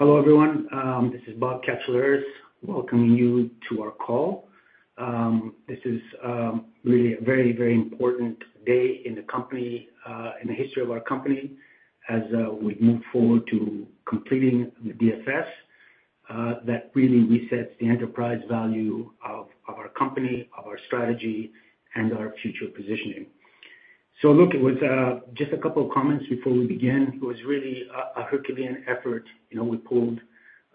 Hello, everyone. This is Bob Katsiouleris welcoming you to our call. This is really a very, very important day in the company, in the history of our company, as we move forward to completing the DFS, that really resets the enterprise value of our company, of our strategy, and our future positioning. So look, it was just a couple of comments before we begin. It was really a Herculean effort. You know, we pulled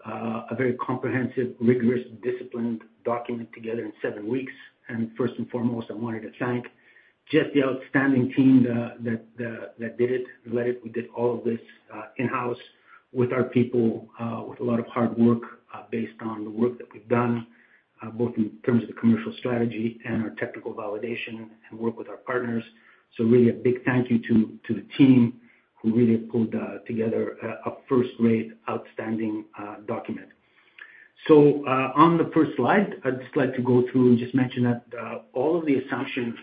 a very comprehensive, rigorous, disciplined document together in seven weeks. And first and foremost, I wanted to thank just the outstanding team that did it, led it. We did all of this in-house with our people with a lot of hard work based on the work that we've done both in terms of the commercial strategy and our technical validation and work with our partners. So really a big thank you to the team who really pulled together a first-rate, outstanding document. So on the first slide, I'd just like to go through and just mention that all of the assumptions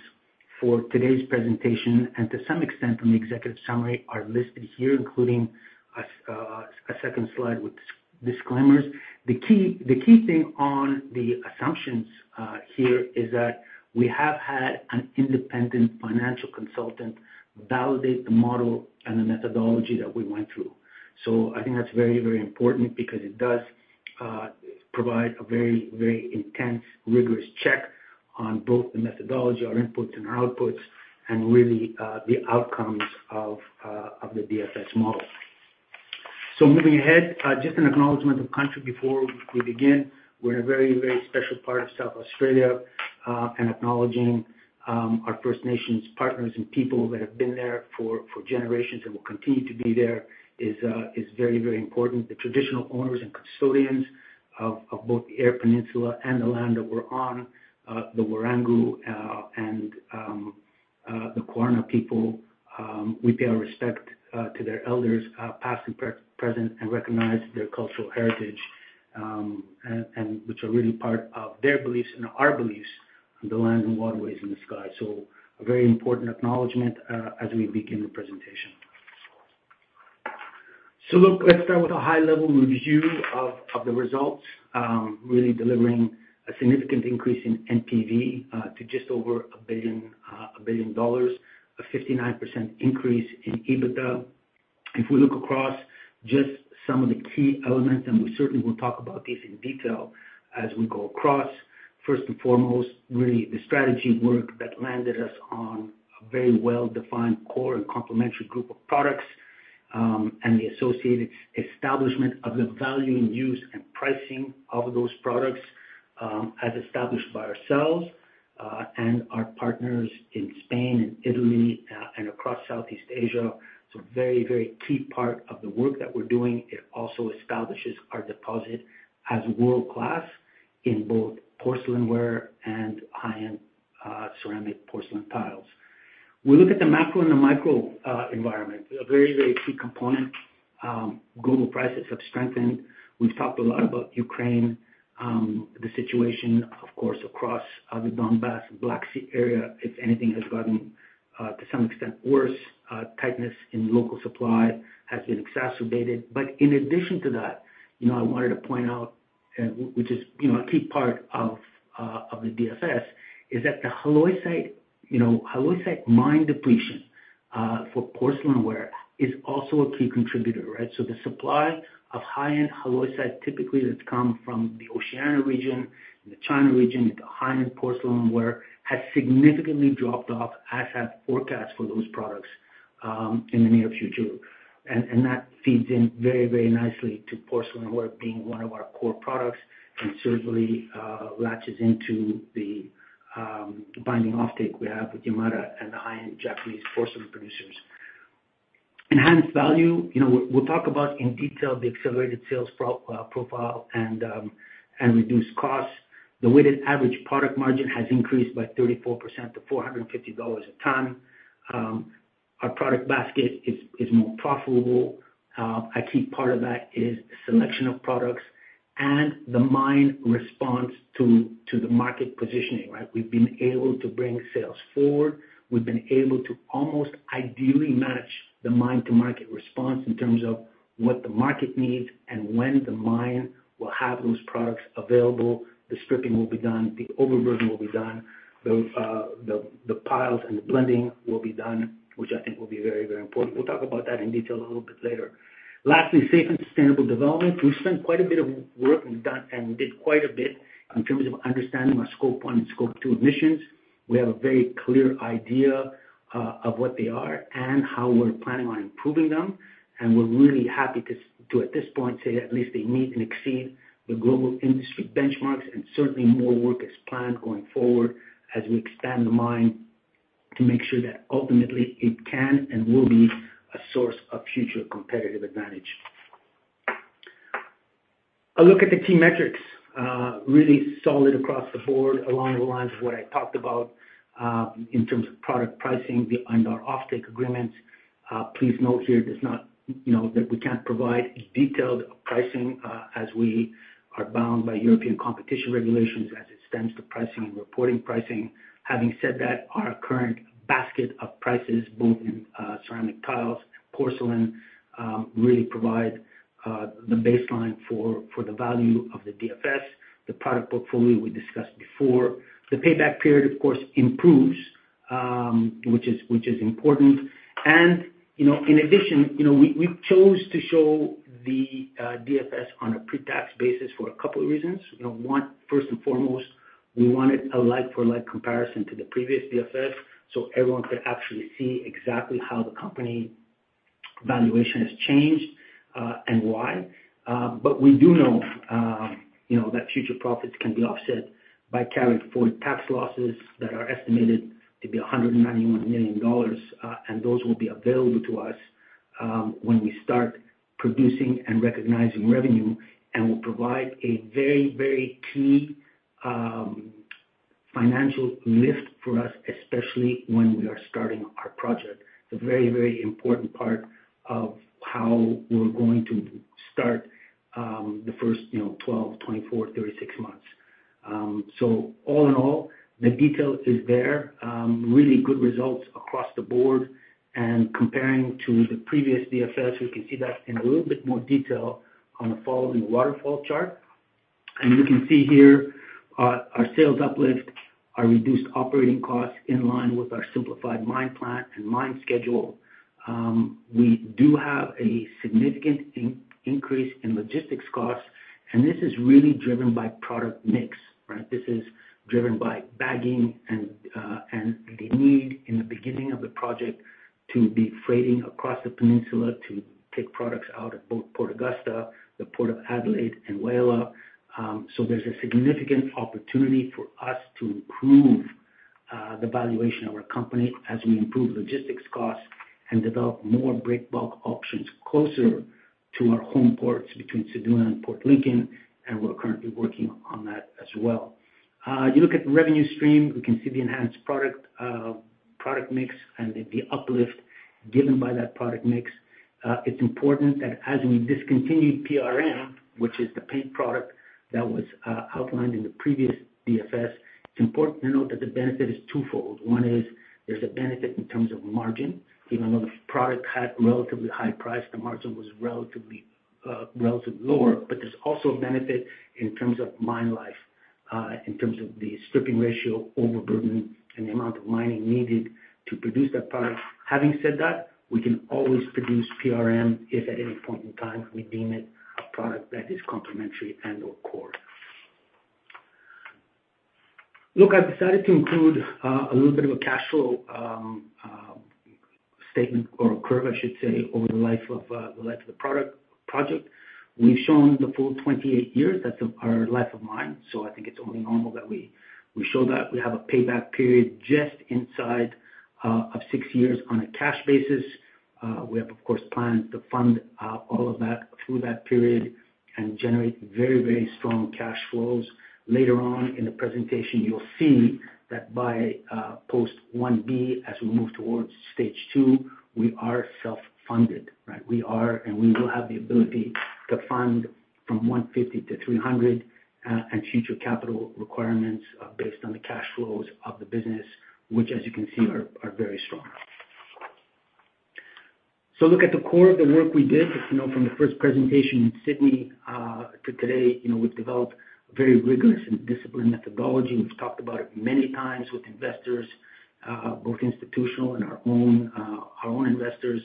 for today's presentation and to some extent from the executive summary are listed here, including a second slide with disclaimers. The key thing on the assumptions here is that we have had an independent financial consultant validate the model and the methodology that we went through. So I think that's very, very important because it does provide a very, very intense, rigorous check on both the methodology, our inputs and outputs, and really the outcomes of the DFS model. So moving ahead, just an acknowledgement of country before we begin. We're in a very, very special part of South Australia, and acknowledging our First Nations partners and people that have been there for generations and will continue to be there is very, very important. The traditional owners and custodians of both the Eyre Peninsula and the land that we're on, the Wirangu and the Kaurna people, we pay our respect to their elders, past and present, and recognize their cultural heritage, and which are really part of their beliefs and our beliefs in the lands and waterways and the sky. So a very important acknowledgement as we begin the presentation. So look, let's start with a high level review of the results, really delivering a significant increase in NPV to just over 1 billion dollars, 1 billion dollars, a 59% increase in EBITDA. If we look across just some of the key elements, and we certainly will talk about these in detail as we go across, first and foremost, really the strategy work that landed us on a very well-defined core and complementary group of products, and the associated establishment of the value and use and pricing of those products, as established by ourselves, and our partners in Spain and Italy, and across Southeast Asia. So very, very key part of the work that we're doing. It also establishes our deposit as world-class in both porcelain ware and high-end, ceramic porcelain tiles. We look at the macro and the micro, environment, a very, very key component. Global prices have strengthened. We've talked a lot about Ukraine, the situation, of course, across the Donbas and Black Sea area, if anything, has gotten to some extent worse. Tightness in local supply has been exacerbated. But in addition to that, you know, I wanted to point out, which is, you know, a key part of of the DFS, is that the halloysite, you know, halloysite mine depletion for porcelain ware is also a key contributor, right? So the supply of high-end halloysite, typically, that's come from the Oceania region and the China region, the high-end porcelain ware has significantly dropped off, as have forecasts for those products in the near future. That feeds in very, very nicely to porcelain ware being one of our core products and certainly latches into the binding offtake we have with Yamada and the high-end Japanese porcelain producers. Enhanced value, you know, we'll talk about in detail the accelerated sales profile and reduced costs. The weighted average product margin has increased by 34% to $450 a ton. Our product basket is more profitable. A key part of that is the selection of products and the mine response to the market positioning, right? We've been able to bring sales forward. We've been able to almost ideally match the mine-to-market response in terms of what the market needs and when the mine will have those products available, the stripping will be done, the overburden will be done, the piles and the blending will be done, which I think will be very, very important. We'll talk about that in detail a little bit later. Lastly, safe and sustainable development. We've spent quite a bit of work, and we did quite a bit in terms of understanding our Scope 1 and Scope 2 emissions. We have a very clear idea of what they are and how we're planning on improving them, and we're really happy to, at this point, say at least they meet and exceed the global industry benchmarks, and certainly more work is planned going forward as we expand the mine to make sure that ultimately it can and will be a source of future competitive advantage. A look at the key metrics, really solid across the board, along the lines of what I talked about, in terms of product pricing and our offtake agreements. Please note here, does not... You know, that we can't provide detailed pricing, as we are bound by European competition regulations as it stands to pricing and reporting pricing. Having said that, our current basket of prices, both in-... Ceramic tiles, porcelain, really provide the baseline for the value of the DFS. The product portfolio we discussed before. The payback period, of course, improves, which is important. And, you know, in addition, you know, we chose to show the DFS on a pre-tax basis for a couple of reasons. You know, one, first and foremost, we wanted a like for like comparison to the previous DFS, so everyone could actually see exactly how the company valuation has changed, and why. But we do know, you know, that future profits can be offset by carrying forward tax losses that are estimated to be 191 million dollars, and those will be available to us, when we start producing and recognizing revenue, and will provide a very, very key, financial lift for us, especially when we are starting our project. It's a very, very important part of how we're going to start, the first, you know, 12, 24, 36 months. So all in all, the detail is there. Really good results across the board. Comparing to the previous DFS, we can see that in a little bit more detail on the following waterfall chart. You can see here, our sales uplift, our reduced operating costs in line with our simplified mine plan and mine schedule. We do have a significant increase in logistics costs, and this is really driven by product mix, right? This is driven by bagging and the need in the beginning of the project to be freighting across the peninsula, to take products out of both Port Augusta, the Port of Adelaide and Whyalla. So there's a significant opportunity for us to improve the valuation of our company as we improve logistics costs and develop more break bulk options closer to our home ports between Ceduna and Port Lincoln, and we're currently working on that as well. You look at the revenue stream, we can see the enhanced product mix and the uplift given by that product mix. It's important that as we discontinued PRM, which is the paint product that was outlined in the previous DFS, it's important to note that the benefit is twofold. One is, there's a benefit in terms of margin. Even though the product had relatively high price, the margin was relatively, relatively lower. There's also a benefit in terms of mine life, in terms of the stripping ratio overburden and the amount of mining needed to produce that product. Having said that, we can always produce PRM if at any point in time we deem it a product that is complementary and/or core. Look, I've decided to include a little bit of a cash flow statement or a curve, I should say, over the life of the life of the product, project. We've shown the full 28 years. That's our life of mine, so I think it's only normal that we, we show that. We have a payback period just inside of six years on a cash basis. We have, of course, planned to fund all of that through that period and generate very, very strong cash flows. Later on in the presentation, you'll see that by post 1B, as we move towards stage two, we are self-funded, right? We are, and we will have the ability to fund from 150-300 and future capital requirements based on the cash flows of the business, which, as you can see, are, are very strong. So look at the core of the work we did. As you know, from the first presentation in Sydney to today, you know, we've developed a very rigorous and disciplined methodology. We've talked about it many times with investors, both institutional and our own investors.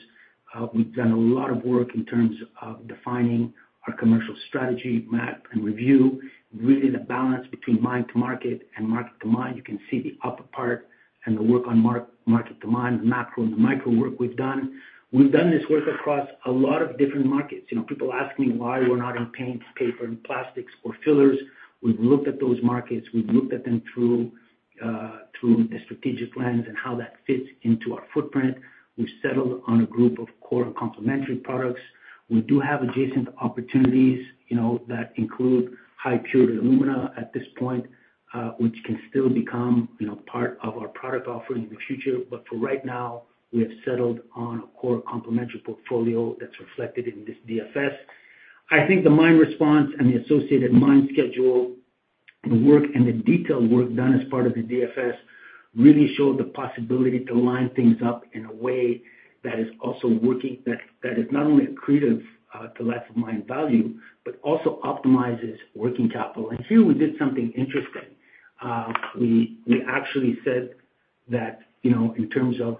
We've done a lot of work in terms of defining our commercial strategy map and review, really the balance between mine to market and market to mine. You can see the upper part and the work on market to mine, the macro and the micro work we've done. We've done this work across a lot of different markets. You know, people ask me why we're not on paints, paper, and plastics or fillers. We've looked at those markets. We've looked at them through a strategic lens and how that fits into our footprint. We've settled on a group of core complementary products. We do have adjacent opportunities, you know, that include high purity alumina at this point, which can still become, you know, part of our product offering in the future. But for right now, we have settled on a core complementary portfolio that's reflected in this DFS. I think the mine response and the associated mine schedule, the work and the detailed work done as part of the DFS, really showed the possibility to line things up in a way that is also working. That is not only accretive to life of mine value, but also optimizes working capital. And here we did something interesting. We actually said that, you know, in terms of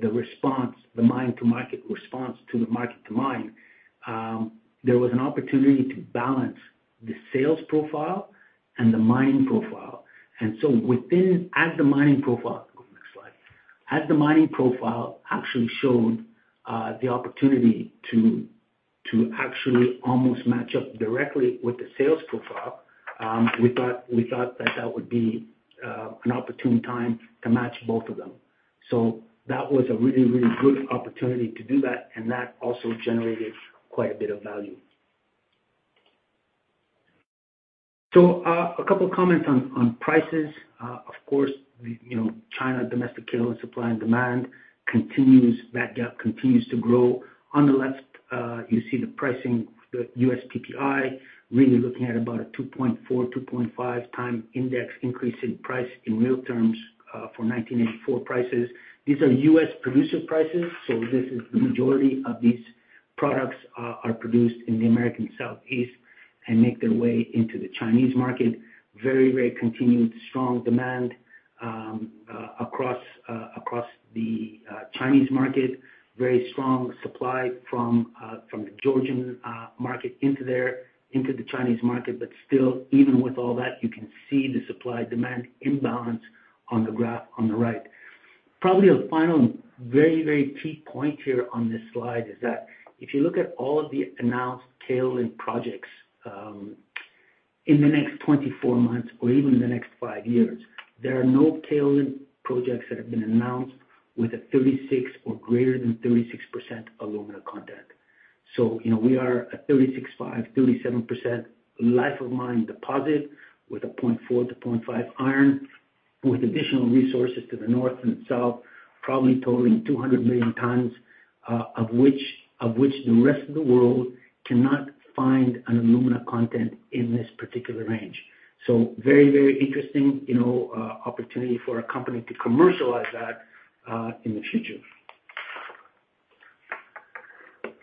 the response, the mine-to-market response to the market to mine, there was an opportunity to balance the sales profile and the mining profile. And so within... As the mining profile, go next slide. As the mining profile actually showed, the opportunity to, to actually almost match up directly with the sales profile, we thought, we thought that that would be, an opportune time to match both of them. So that was a really, really good opportunity to do that, and that also generated quite a bit of value.... So, a couple of comments on, on prices. Of course, we, you know, China, domestic kaolin supply and demand continues, that gap continues to grow. On the left, you see the pricing, the U.S. PPI, really looking at about a 2.4-2.5 times index increase in price in real terms, from 1984 prices. These are U.S. producer prices, so this is the majority of these products are produced in the American Southeast and make their way into the Chinese market. Very, very continued strong demand across the Chinese market. Very strong supply from the Georgian market into the Chinese market, but still, even with all that, you can see the supply-demand imbalance on the graph on the right. Probably a final, very, very key point here on this slide is that if you look at all of the announced kaolin projects in the next 24 months or even in the next five years, there are no kaolin projects that have been announced with a 36 or greater than 36% alumina content. So, you know, we are a 36.5-37% life of mine deposit with a 0.4-0.5 iron, with additional resources to the north and south, probably totaling 200 million tons, of which the rest of the world cannot find an alumina content in this particular range. So very, very interesting, you know, opportunity for a company to commercialize that, in the future.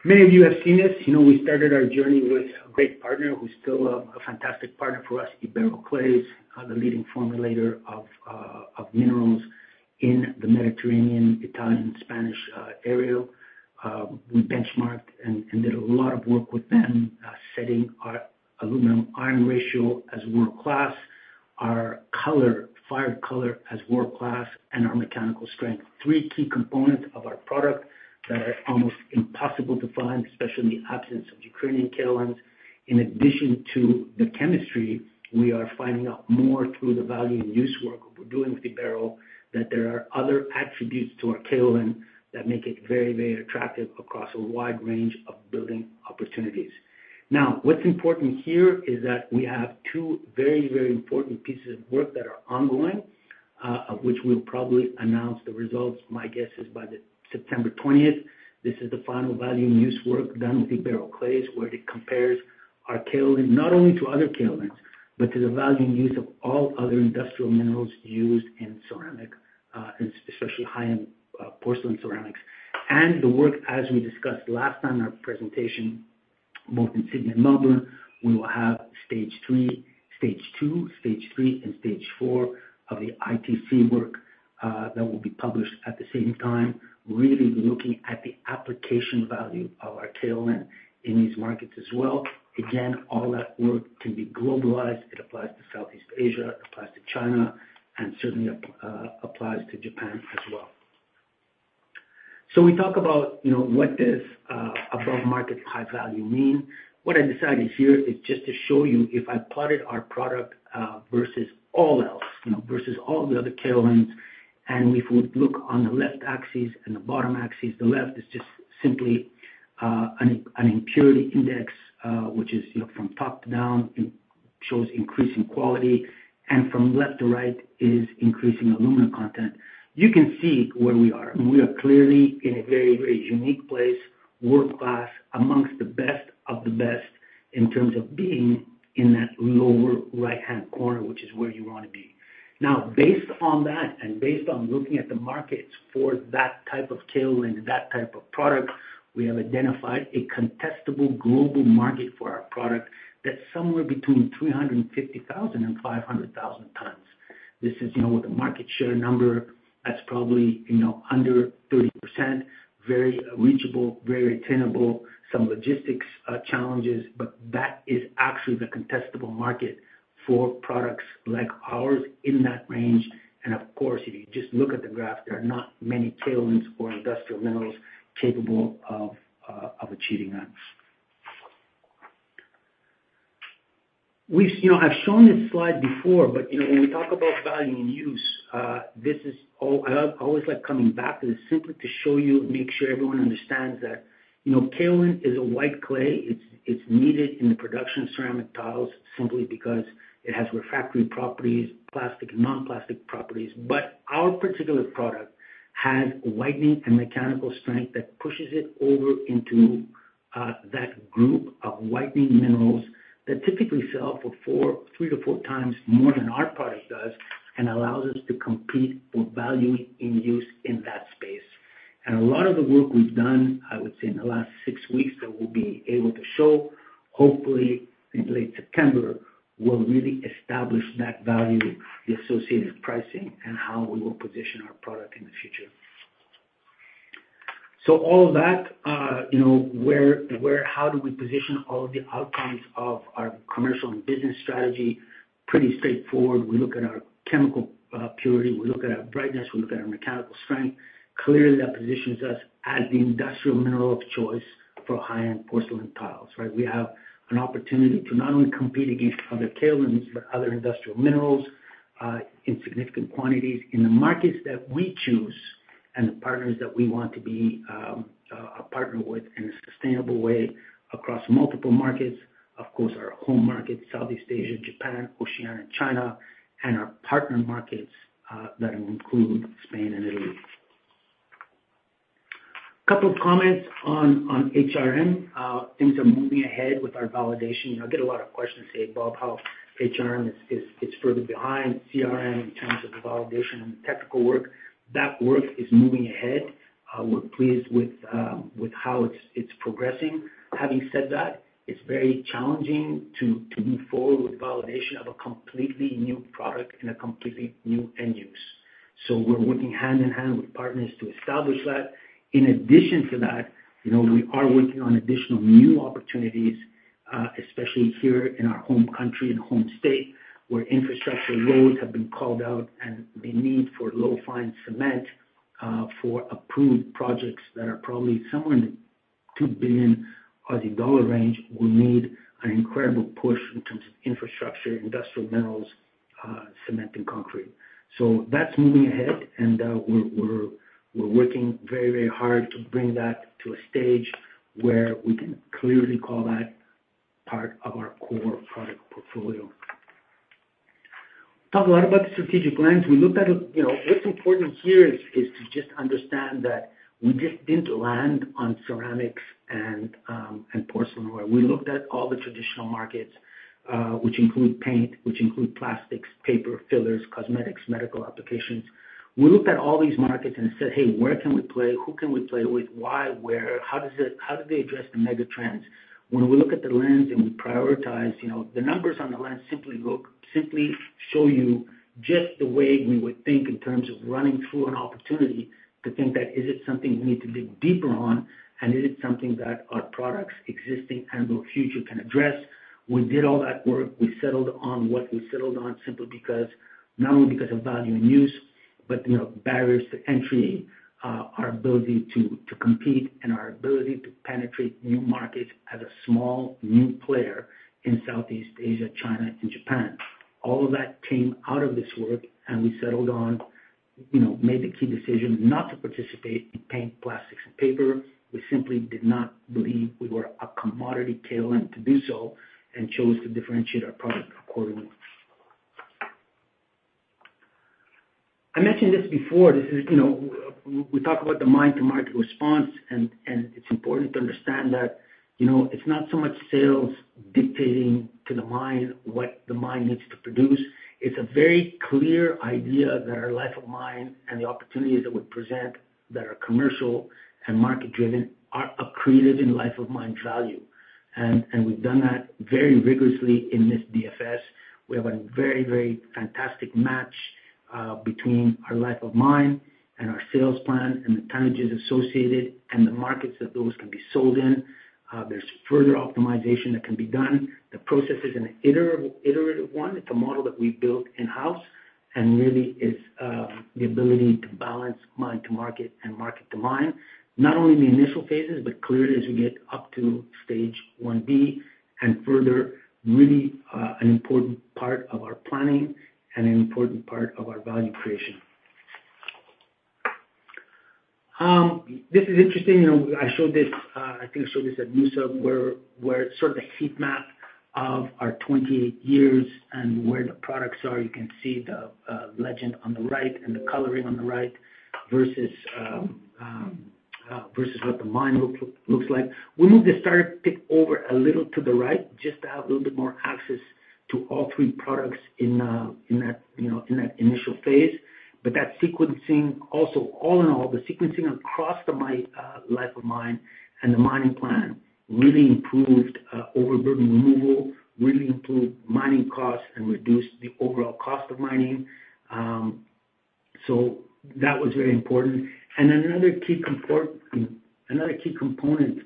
Many of you have seen this. You know, we started our journey with a great partner who's still a fantastic partner for us, IberoClays, the leading formulator of minerals in the Mediterranean, Italian, Spanish area. We benchmarked and did a lot of work with them, setting our aluminum iron ratio as world-class, our color, fired color as world-class, and our mechanical strength. Three key components of our product that are almost impossible to find, especially in the absence of Ukrainian kaolins. In addition to the chemistry, we are finding out more through the value and use work we're doing with IberoClays, that there are other attributes to our kaolin that make it very, very attractive across a wide range of building opportunities. Now, what's important here is that we have two very, very important pieces of work that are ongoing, of which we'll probably announce the results, my guess is by the September twentieth. This is the final value and use work done with IberoClays, where it compares our kaolin, not only to other kaolins, but to the value and use of all other industrial minerals used in ceramic, especially high-end porcelain ceramics. The work, as we discussed last time in our presentation, both in Sydney and Melbourne, we will have stage three, stage two, stage three, and stage four of the ITC work that will be published at the same time, really looking at the application value of our kaolin in these markets as well. Again, all that work can be globalized. It applies to Southeast Asia, it applies to China, and certainly applies to Japan as well. So we talk about, you know, what does above market high value mean? What I decided here is just to show you, if I plotted our product versus all else, you know, versus all the other kaolins, and if we look on the left axis and the bottom axis, the left is just simply an impurity index, which is, you know, from top to down, it shows increasing quality, and from left to right is increasing alumina content. You can see where we are. We are clearly in a very, very unique place, world-class, amongst the best of the best in terms of being in that lower right-hand corner, which is where you want to be. Now, based on that, and based on looking at the markets for that type of kaolin and that type of product, we have identified a contestable global market for our product that's somewhere between 350,000 and 500,000 tons. This is, you know, with the market share number, that's probably, you know, under 30%, very reachable, very attainable, some logistics challenges, but that is actually the contestable market for products like ours in that range. And of course, if you just look at the graph, there are not many kaolins or industrial minerals capable of, of achieving that. We've, you know, I've shown this slide before, but, you know, when we talk about value and use, this is, I always like coming back to this simply to show you, make sure everyone understands that, you know, kaolin is a white clay. It's, it's needed in the production of ceramic tiles simply because it has refractory properties, plastic, non-plastic properties. But our particular product has whitening and mechanical strength that pushes it over into that group of whitening minerals that typically sell for three to four times more than our product does and allows us to compete for value in use in that space. A lot of the work we've done, I would say, in the last six weeks, that we'll be able to show, hopefully in late September, will really establish that value, the associated pricing, and how we will position our product in the future. So all of that, you know, where, how do we position all of the outcomes of our commercial and business strategy? Pretty straightforward. We look at our chemical purity, we look at our brightness, we look at our mechanical strength. Clearly, that positions us as the industrial mineral of choice for high-end porcelain tiles, right? We have an opportunity to not only compete against other kaolins, but other industrial minerals, in significant quantities in the markets that we choose... and the partners that we want to be a partner with in a sustainable way across multiple markets. Of course, our home market, Southeast Asia, Japan, Oceania, China, and our partner markets that include Spain and Italy. Couple of comments on HRM. Things are moving ahead with our validation. I get a lot of questions about how HRM is, it's further behind CRM in terms of the validation and technical work. That work is moving ahead. We're pleased with how it's progressing. Having said that, it's very challenging to move forward with validation of a completely new product in a completely new end use. So we're working hand-in-hand with partners to establish that. In addition to that, you know, we are working on additional new opportunities, especially here in our home country and home state, where infrastructure roads have been called out, and the need for low fine cement, for approved projects that are probably somewhere in the 2 billion Aussie dollar range, will need an incredible push in terms of infrastructure, industrial metals, cement and concrete. So that's moving ahead, and, we're working very, very hard to bring that to a stage where we can clearly call that part of our core product portfolio. Talk a lot about the strategic lens. We looked at, you know, what's important here is to just understand that we just didn't land on ceramics and, and porcelain ware. We looked at all the traditional markets, which include paint, which include plastics, paper, fillers, cosmetics, medical applications. We looked at all these markets and said, "Hey, where can we play? Who can we play with? Why? Where? How do they address the mega trends?" When we look at the lens and we prioritize, you know, the numbers on the lens simply look, simply show you just the way we would think in terms of running through an opportunity to think that, is it something we need to dig deeper on? And is it something that our products, existing and/or future, can address? We did all that work. We settled on what we settled on, simply because, not only because of value and use, but, you know, barriers to entry, our ability to, to compete and our ability to penetrate new markets as a small new player in Southeast Asia, China, and Japan. All of that came out of this work, and we settled on, you know, made the key decision not to participate in paint, plastics, and paper. We simply did not believe we were a commodity kaolin to do so, and chose to differentiate our product accordingly. I mentioned this before. This is, you know, we, we talk about the mine-to-market response, and, and it's important to understand that, you know, it's not so much sales dictating to the mine what the mine needs to produce. It's a very clear idea that our life of mine and the opportunities that we present that are commercial and market-driven are accretive in life of mine value. And, and we've done that very rigorously in this DFS. We have a very, very fantastic match between our life of mine and our sales plan, and the tonnages associated, and the markets that those can be sold in. There's further optimization that can be done. The process is an iterative one. It's a model that we built in-house and really is the ability to balance mine to market and market to mine. Not only in the initial phases, but clearly as we get up to stage one B and further, really an important part of our planning and an important part of our value creation. This is interesting. You know, I showed this. I think I showed this at Noosa, where sort of the heat map of our 28 years and where the products are. You can see the legend on the right and the coloring on the right, versus what the mine looks like. We moved the starter pit over a little to the right, just to have a little bit more access to all three products in that, you know, in that initial phase. But that sequencing also... All in all, the sequencing across the life of mine and the mining plan really improved overburden removal, really improved mining costs, and reduced the overall cost of mining. So that was very important. And another key comfort. Another key component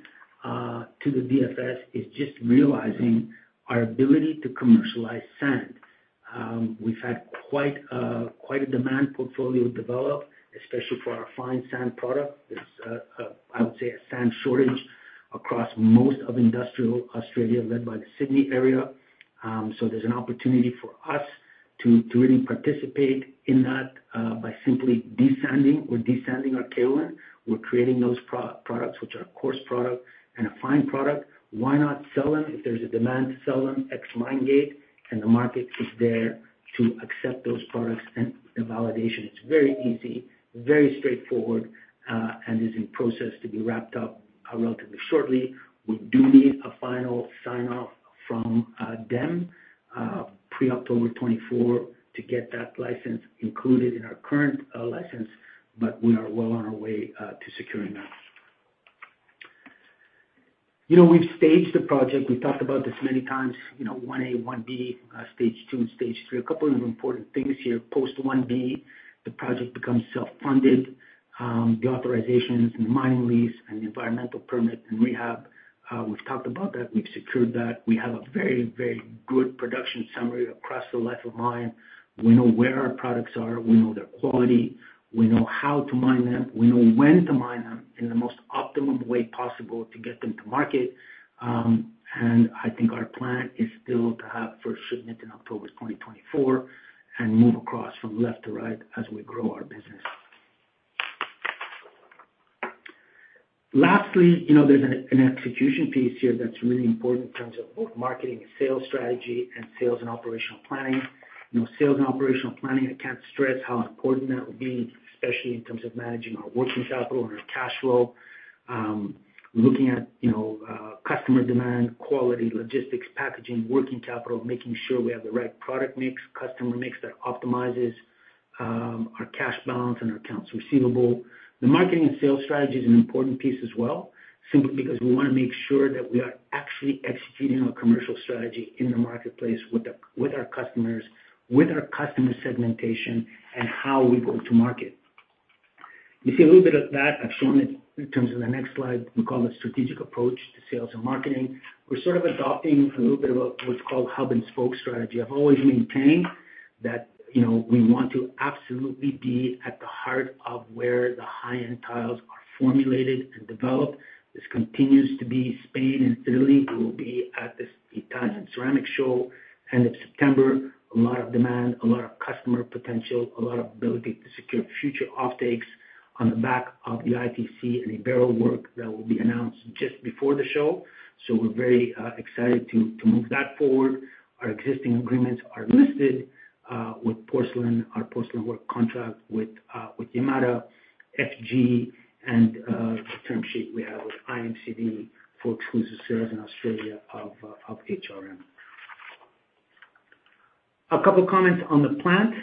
to the DFS is just realizing our ability to commercialize sand. We've had quite a demand portfolio develop, especially for our fine sand product. There's, I would say, a sand shortage across most of industrial Australia, led by the Sydney area. So there's an opportunity for us to really participate in that by simply desanding. We're desanding our kaolin. We're creating those products, which are a coarse product and a fine product. Why not sell them if there's a demand to sell them ex-mine gate, and the market is there to accept those products? And the validation is very easy, very straightforward, and is in process to be wrapped up relatively shortly. We do need a final sign-off from them pre-October 2024 to get that license included in our current license, but we are well on our way to securing that. You know, we've staged the project. We've talked about this many times, you know, 1A, 1B, stage 2, stage 3. A couple of important things here. Post 1B, the project becomes self-funded. The authorizations, the mining lease and the environmental permit and rehab, we've talked about that. We've secured that. We have a very, very good production summary across the life of mine. We know where our products are, we know their quality, we know how to mine them, we know when to mine them in the most optimum way possible to get them to market. And I think our plan is still to have first shipment in October 2024, and move across from left to right as we grow our business. Lastly, you know, there's an execution piece here that's really important in terms of both marketing and sales strategy, and sales and operational planning. You know, sales and operational planning, I can't stress how important that will be, especially in terms of managing our working capital and our cash flow. Looking at, you know, customer demand, quality, logistics, packaging, working capital, making sure we have the right product mix, customer mix, that optimizes our cash balance and our accounts receivable. The marketing and sales strategy is an important piece as well, simply because we wanna make sure that we are actually executing our commercial strategy in the marketplace with our customers, with our customer segmentation, and how we go to market. You see a little bit of that. I've shown it in terms of the next slide. We call it strategic approach to sales and marketing. We're sort of adopting a little bit of a what's called hub and spoke strategy. I've always maintained that, you know, we want to absolutely be at the heart of where the high-end tiles are formulated and developed. This continues to be Spain and Italy, and we'll be at this, the Italian Ceramic Show, end of September. A lot of demand, a lot of customer potential, a lot of ability to secure future offtakes on the back of the ITC and the barrel work that will be announced just before the show. So we're very excited to move that forward. Our existing agreements are listed with porcelain. Our porcelain work contract with Yamada, FG, and the term sheet we have with IMCD for exclusive sales in Australia of HRM. A couple comments on the plant.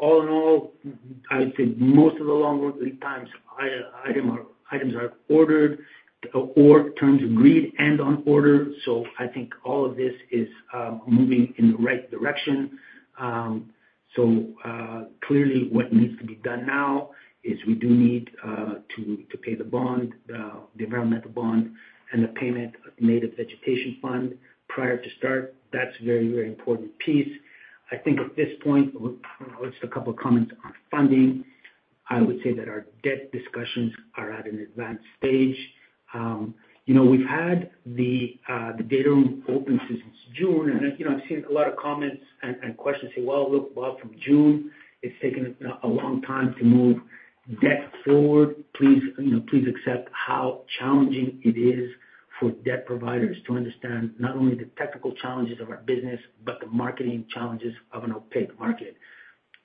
All in all, I would say most of the long lead time items are ordered or terms agreed and on order, so I think all of this is moving in the right direction. So, clearly what needs to be done now is we do need to pay the bond, the environmental bond, and the payment of Native Vegetation Fund prior to start. That's a very, very important piece. I think at this point, just a couple of comments on funding. I would say that our debt discussions are at an advanced stage. You know, we've had the data room open since June, and, you know, I've seen a lot of comments and questions saying, "Well, look, from June, it's taken a long time to move debt forward." Please, you know, please accept how challenging it is for debt providers to understand not only the technical challenges of our business, but the marketing challenges of an opaque market.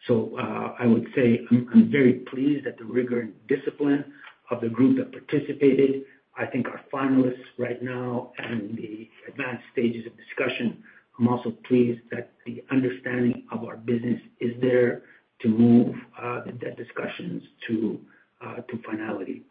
So, I would say I'm very pleased at the rigor and discipline of the group that participated. I think our finalists right now are in the advanced stages of discussion. I'm also pleased that the understanding of our business is there to move the debt discussions to finality.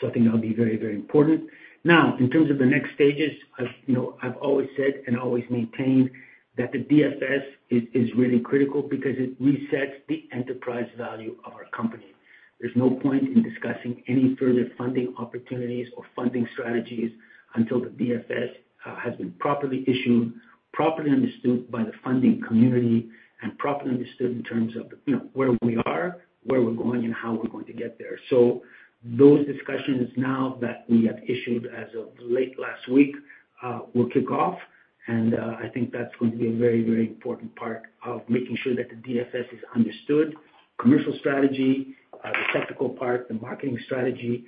So I think that'll be very, very important. Now, in terms of the next stages, I've, you know, I've always said, and I always maintain, that the DFS is really critical because it resets the enterprise value of our company. There's no point in discussing any further funding opportunities or funding strategies until the DFS has been properly issued, properly understood by the funding community, and properly understood in terms of, you know, where we are, where we're going, and how we're going to get there. So those discussions now that we have issued as of late last week will kick off, and I think that's going to be a very, very important part of making sure that the DFS is understood. Commercial strategy, the technical part, the marketing strategy,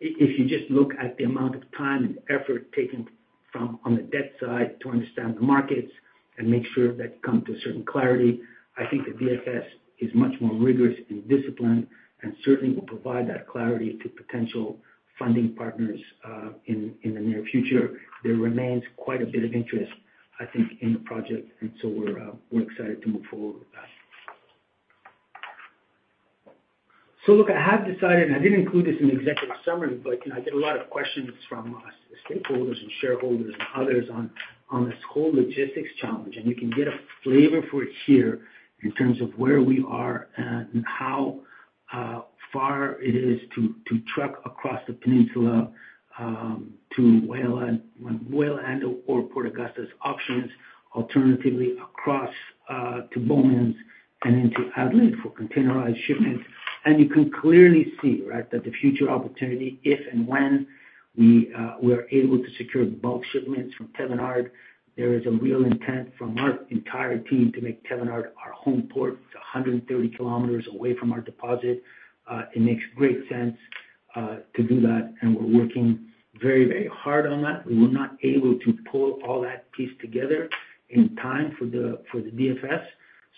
if you just look at the amount of time and effort taken from... On the debt side to understand the markets and make sure that you come to a certain clarity, I think the DFS is much more rigorous and disciplined, and certainly will provide that clarity to potential funding partners, in the near future. There remains quite a bit of interest, I think, in the project, and so we're, we're excited to move forward with that. So look, I have decided, and I didn't include this in the executive summary, but, you know, I get a lot of questions from, the stakeholders and shareholders and others on, on this whole logistics challenge. You can get a flavor for it here in terms of where we are and how far it is to truck across the peninsula to Whyalla and/or Port Augusta options, alternatively, across to Bowmans and into Adelaide for containerized shipments. You can clearly see that the future opportunity, if and when we're able to secure bulk shipments from Thevenard, there is a real intent from our entire team to make Thevenard our home port. It's 130 km away from our deposit. It makes great sense to do that, and we're working very, very hard on that. We were not able to pull all that piece together in time for the DFS,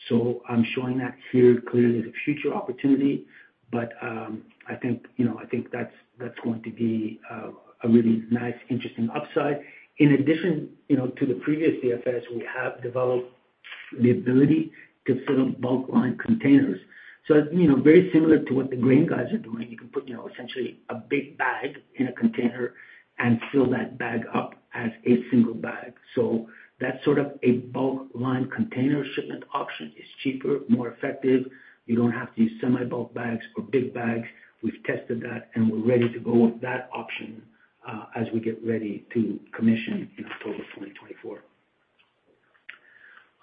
so I'm showing that here, clearly the future opportunity. But, I think, you know, I think that's, that's going to be a really nice, interesting upside. In addition, you know, to the previous DFS, we have developed the ability to fill Bulk liner containers. So, you know, very similar to what the grain guys are doing. You can put, you know, essentially a big bag in a container and fill that bag up as a single bag. So that's sort of a Bulk liner container shipment option. It's cheaper, more effective. You don't have to use semi-bulk bags or big bags. We've tested that, and we're ready to go with that option, as we get ready to commission in October 2024.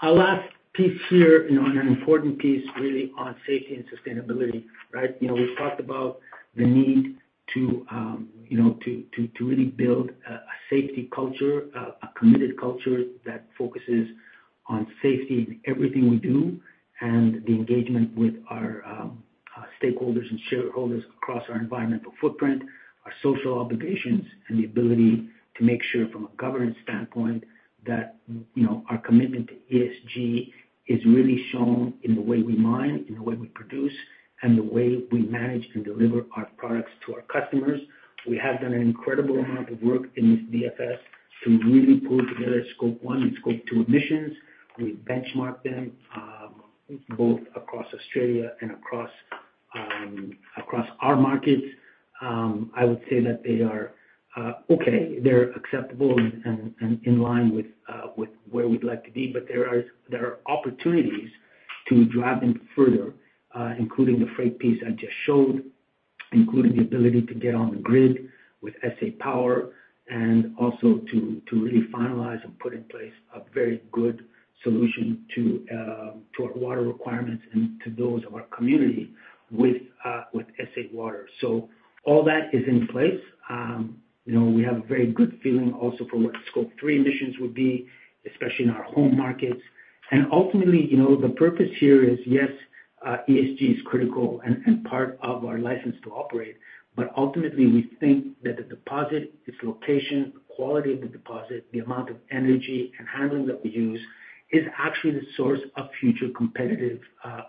Our last piece here, you know, and an important piece, really, on safety and sustainability, right? You know, we've talked about the need to,... you know, to really build a safety culture, a committed culture that focuses on safety in everything we do, and the engagement with our stakeholders and shareholders across our environmental footprint, our social obligations, and the ability to make sure from a governance standpoint that, you know, our commitment to ESG is really shown in the way we mine, in the way we produce, and the way we manage to deliver our products to our customers. We have done an incredible amount of work in this DFS to really pull together Scope 1 and Scope 2 emissions. We benchmark them both across Australia and across our markets. I would say that they are okay, they're acceptable and in line with where we'd like to be, but there are opportunities to drive them further, including the freight piece I just showed, including the ability to get on the grid with SA Power, and also to really finalize and put in place a very good solution to our water requirements and to those of our community with SA Water. So all that is in place. You know, we have a very good feeling also for what Scope 3 emissions would be, especially in our home markets. And ultimately, you know, the purpose here is, yes, ESG is critical and, and part of our license to operate, but ultimately, we think that the deposit, its location, the quality of the deposit, the amount of energy and handling that we use, is actually the source of future competitive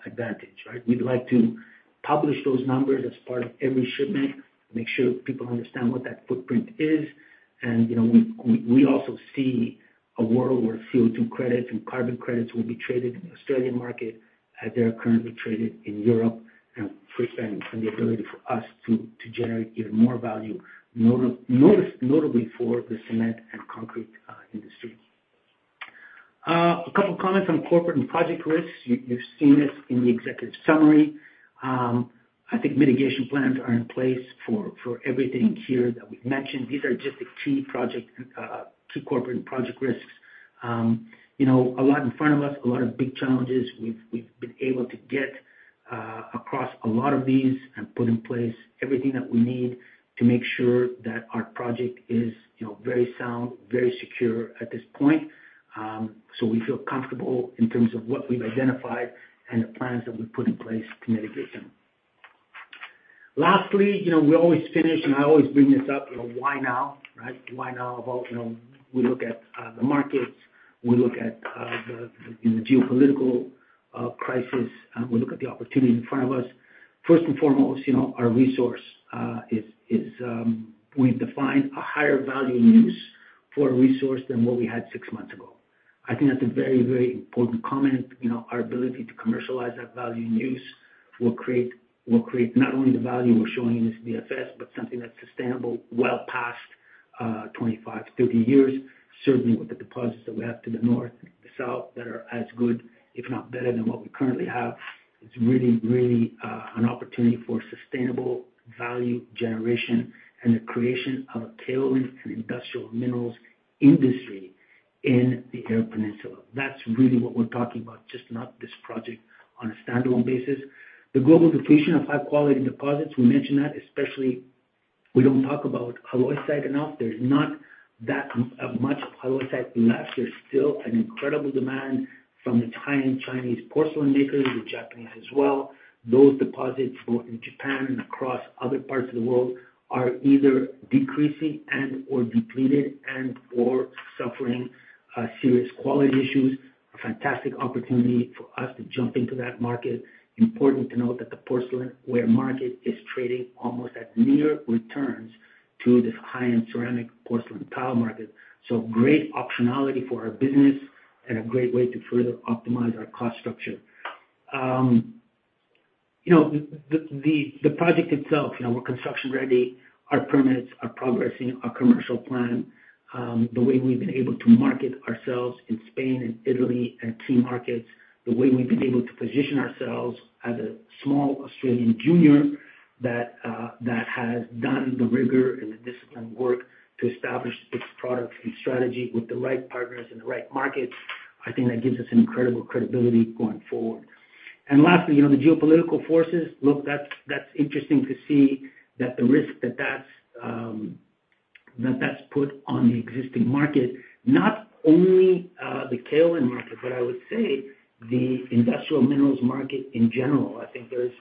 advantage, right? We'd like to publish those numbers as part of every shipment, make sure people understand what that footprint is. And, you know, we, we, we also see a world where CO2 credits and carbon credits will be traded in the Australian market, as they are currently traded in Europe, and free spend, and the ability for us to, to generate even more value, notably for the cement and concrete industry. A couple of comments on corporate and project risks. You've seen this in the executive summary. I think mitigation plans are in place for everything here that we've mentioned. These are just the key project, key corporate and project risks. You know, a lot in front of us, a lot of big challenges. We've been able to get across a lot of these and put in place everything that we need to make sure that our project is, you know, very sound, very secure at this point. So we feel comfortable in terms of what we've identified and the plans that we've put in place to mitigate them. Lastly, you know, we always finish, and I always bring this up, you know, why now, right? Why now? Well, you know, we look at the markets, we look at the, you know, the geopolitical crisis, we look at the opportunity in front of us. First and foremost, you know, our resource, we've defined a higher value use for a resource than what we had six months ago. I think that's a very, very important comment. You know, our ability to commercialize that value and use will create, will create not only the value we're showing in this DFS, but something that's sustainable well past 25-30 years, certainly with the deposits that we have to the north and the south, that are as good, if not better than what we currently have. It's really, really an opportunity for sustainable value generation and the creation of a kaolin and industrial minerals industry in the Eyre Peninsula. That's really what we're talking about, just not this project on a standalone basis. The global depletion of high-quality deposits, we mentioned that, especially we don't talk about halloysite enough. There's not that much of halloysite left. There's still an incredible demand from the Thai and Chinese porcelain makers, the Japanese as well. Those deposits, both in Japan and across other parts of the world, are either decreasing and/or depleted and/or suffering serious quality issues. A fantastic opportunity for us to jump into that market. Important to note that the porcelainware market is trading almost at near returns to this high-end ceramic porcelain tile market. So great optionality for our business and a great way to further optimize our cost structure. You know, the project itself, you know, we're construction ready, our permits are progressing, our commercial plan, the way we've been able to market ourselves in Spain and Italy and key markets, the way we've been able to position ourselves as a small Australian junior that has done the rigor and the discipline work to establish its products and strategy with the right partners in the right markets, I think that gives us an incredible credibility going forward. And lastly, you know, the geopolitical forces, look, that's interesting to see that the risk that's put on the existing market, not only the kaolin market, but I would say the industrial minerals market in general. I think there's,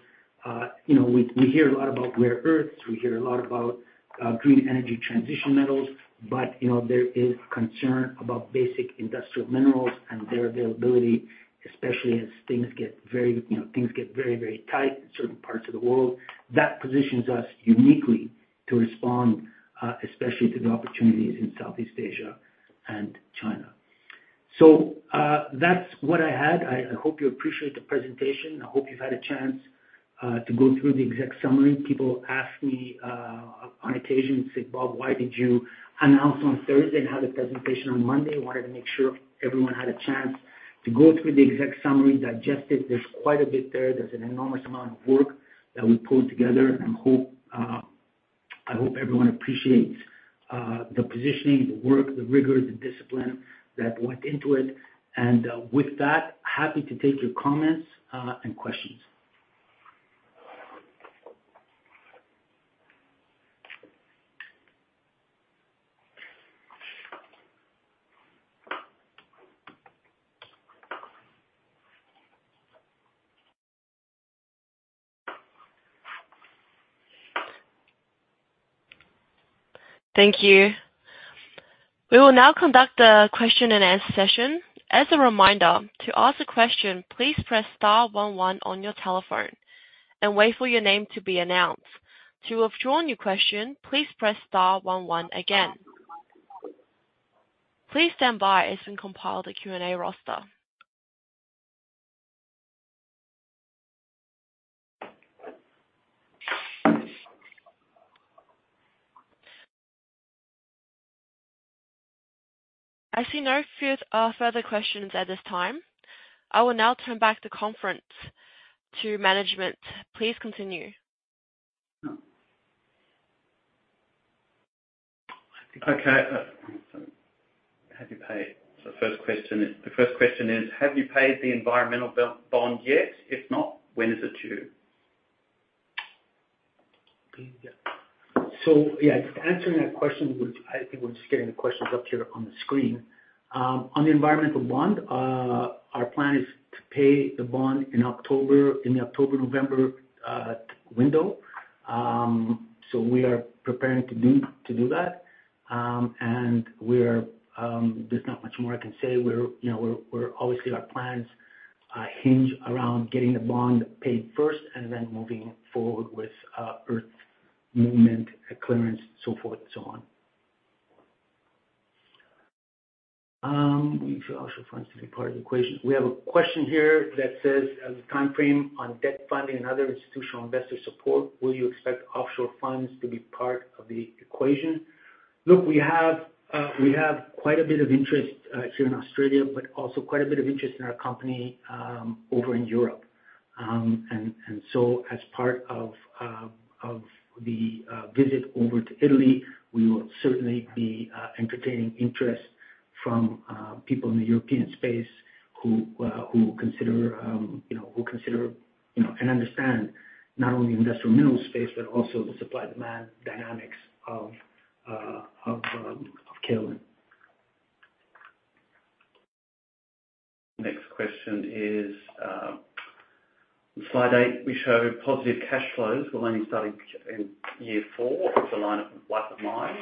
you know, we hear a lot about rare earths, we hear a lot about green energy transition metals, but, you know, there is concern about basic industrial minerals and their availability, especially as things get very, you know, things get very, very tight in certain parts of the world. That positions us uniquely to respond, especially to the opportunities in Southeast Asia and China. So, that's what I had. I hope you appreciate the presentation. I hope you've had a chance to go through the exec summary. People ask me, on occasion, say: "Bob, why did you announce on Thursday and have the presentation on Monday?" I wanted to make sure everyone had a chance to go through the exec summary, digest it. There's quite a bit there. There's an enormous amount of work that we pulled together, and I hope everyone appreciates the positioning, the work, the rigor, the discipline that went into it. And with that, happy to take your comments and questions. ... Thank you. We will now conduct the question and answer session. As a reminder, to ask a question, please press star one one on your telephone and wait for your name to be announced. To withdraw your question, please press star one one again. Please stand by as we compile the Q&A roster. I see no further questions at this time. I will now turn back the conference to management. Please continue. Okay, have you paid? So the first question is, the first question is: Have you paid the environmental bond yet? If not, when is it due? So, yeah, answering that question, which I think we're just getting the questions up here on the screen. On the environmental bond, our plan is to pay the bond in October, in the October-November window. So we are preparing to do that. And we are... There's not much more I can say. We're, you know, we're obviously our plans hinge around getting the bond paid first and then moving forward with earth movement, clearance, so forth, so on. We should also find to be part of the equation. We have a question here that says, "As a time frame on debt funding and other institutional investor support, will you expect offshore funds to be part of the equation?" Look, we have, we have quite a bit of interest, here in Australia, but also quite a bit of interest in our company, over in Europe. And, and so as part of, of the, visit over to Italy, we will certainly be, entertaining interest from, people in the European space who, who consider, you know, who consider, you know, and understand not only the industrial mineral space, but also the supply-demand dynamics of, of, of kaolin. Next question is: Slide eight, we show positive cash flows will only start in year four of the life of mine.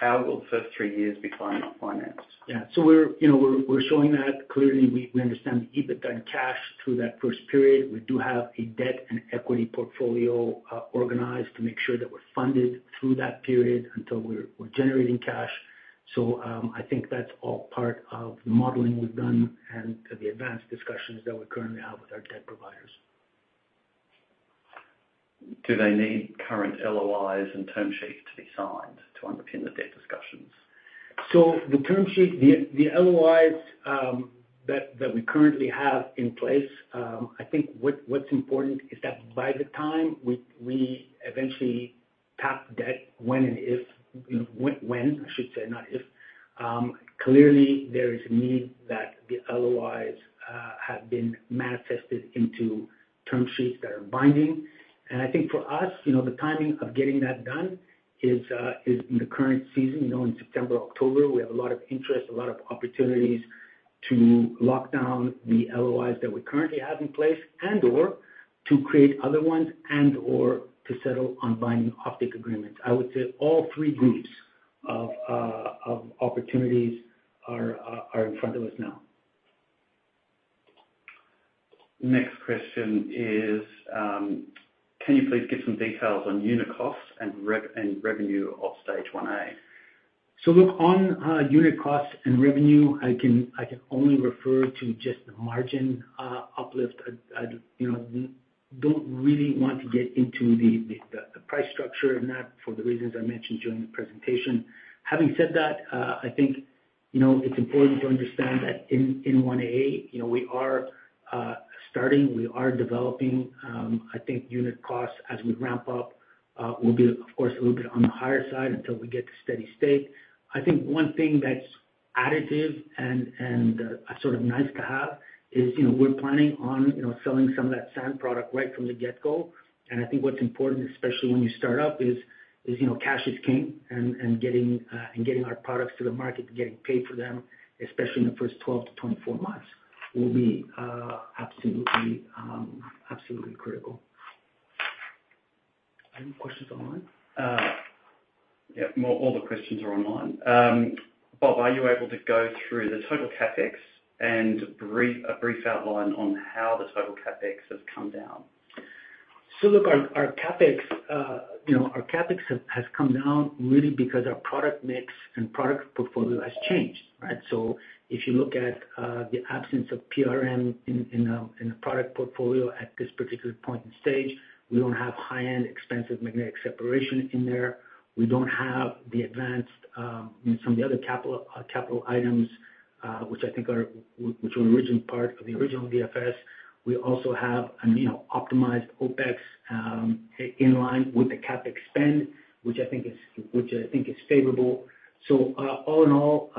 How will the first three years be financed? Yeah. So we're, you know, showing that clearly, we understand the EBITDA and cash through that first period. We do have a debt and equity portfolio, organized to make sure that we're funded through that period until we're generating cash. So, I think that's all part of the modeling we've done and the advanced discussions that we currently have with our debt providers. Do they need current LOIs and term sheets to be signed to underpin the debt discussions? The term sheet, the LOIs that we currently have in place, I think what's important is that by the time we eventually tap debt when and if, when, when I should say, not if, clearly there is a need that the LOIs have been manifested into term sheets that are binding. I think for us, you know, the timing of getting that done is in the current season. You know, in September, October, we have a lot of interest, a lot of opportunities to lock down the LOIs that we currently have in place, and/or to create other ones, and/or to settle on binding offtake agreements. I would say all three groups of opportunities are in front of us now. Next question is: Can you please give some details on unit costs and revenue of stage 1 A? So look, on unit costs and revenue, I can, I can only refer to just the margin uplift. I'd, you know, don't really want to get into the price structure, and that for the reasons I mentioned during the presentation. Having said that, I think, you know, it's important to understand that in one area, you know, we are starting, we are developing. I think unit costs as we ramp up will be, of course, a little bit on the higher side until we get to steady state. I think one thing that's additive and sort of nice to have is, you know, we're planning on, you know, selling some of that sand product right from the get-go. And I think what's important, especially when you start up, is, you know, cash is king, and getting our products to the market and getting paid for them, especially in the first 12-24 months, will be absolutely critical. Any questions online? Yeah, more all the questions are online. Bob, are you able to go through the total CapEx and a brief outline on how the total CapEx has come down? So look, our, our CapEx, you know, our CapEx has, has come down really because our product mix and product portfolio has changed, right? So if you look at, the absence of PRM in, in the, in the product portfolio at this particular point and stage, we don't have high-end, expensive magnetic separation in there. We don't have the advanced, some of the other capital, capital items, which I think are, which were originally part of the original DFS. We also have an, you know, optimized OpEx, in line with the CapEx spend, which I think is, which I think is favorable. So, all in all,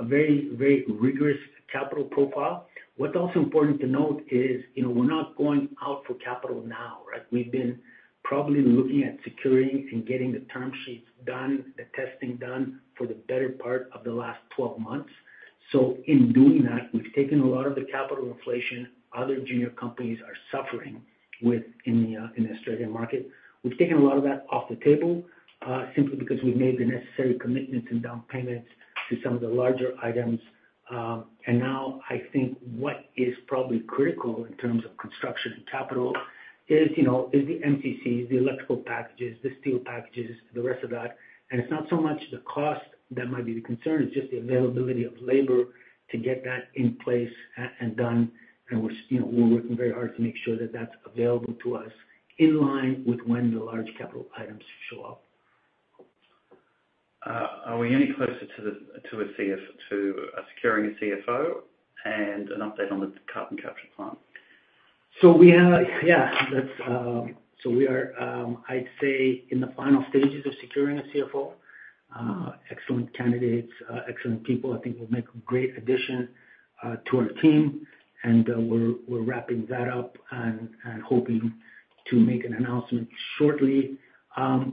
a very, very rigorous capital profile. What's also important to note is, you know, we're not going out for capital now, right? We've been probably looking at securing and getting the term sheets done, the testing done for the better part of the last 12 months. So in doing that, we've taken a lot of the capital inflation other junior companies are suffering with in the in the Australian market. We've taken a lot of that off the table, simply because we've made the necessary commitments and down payments to some of the larger items. And now I think what is probably critical in terms of construction and capital is, you know, is the MCC, the electrical packages, the steel packages, the rest of that. And it's not so much the cost that might be the concern, it's just the availability of labor to get that in place and done. We're, you know, we're working very hard to make sure that that's available to us in line with when the large capital items show up. Are we any closer to securing a CFO? And an update on the carbon capture plant. So we are, I'd say, in the final stages of securing a CFO. Excellent candidates, excellent people, I think will make a great addition to our team, and we're wrapping that up and hoping to make an announcement shortly.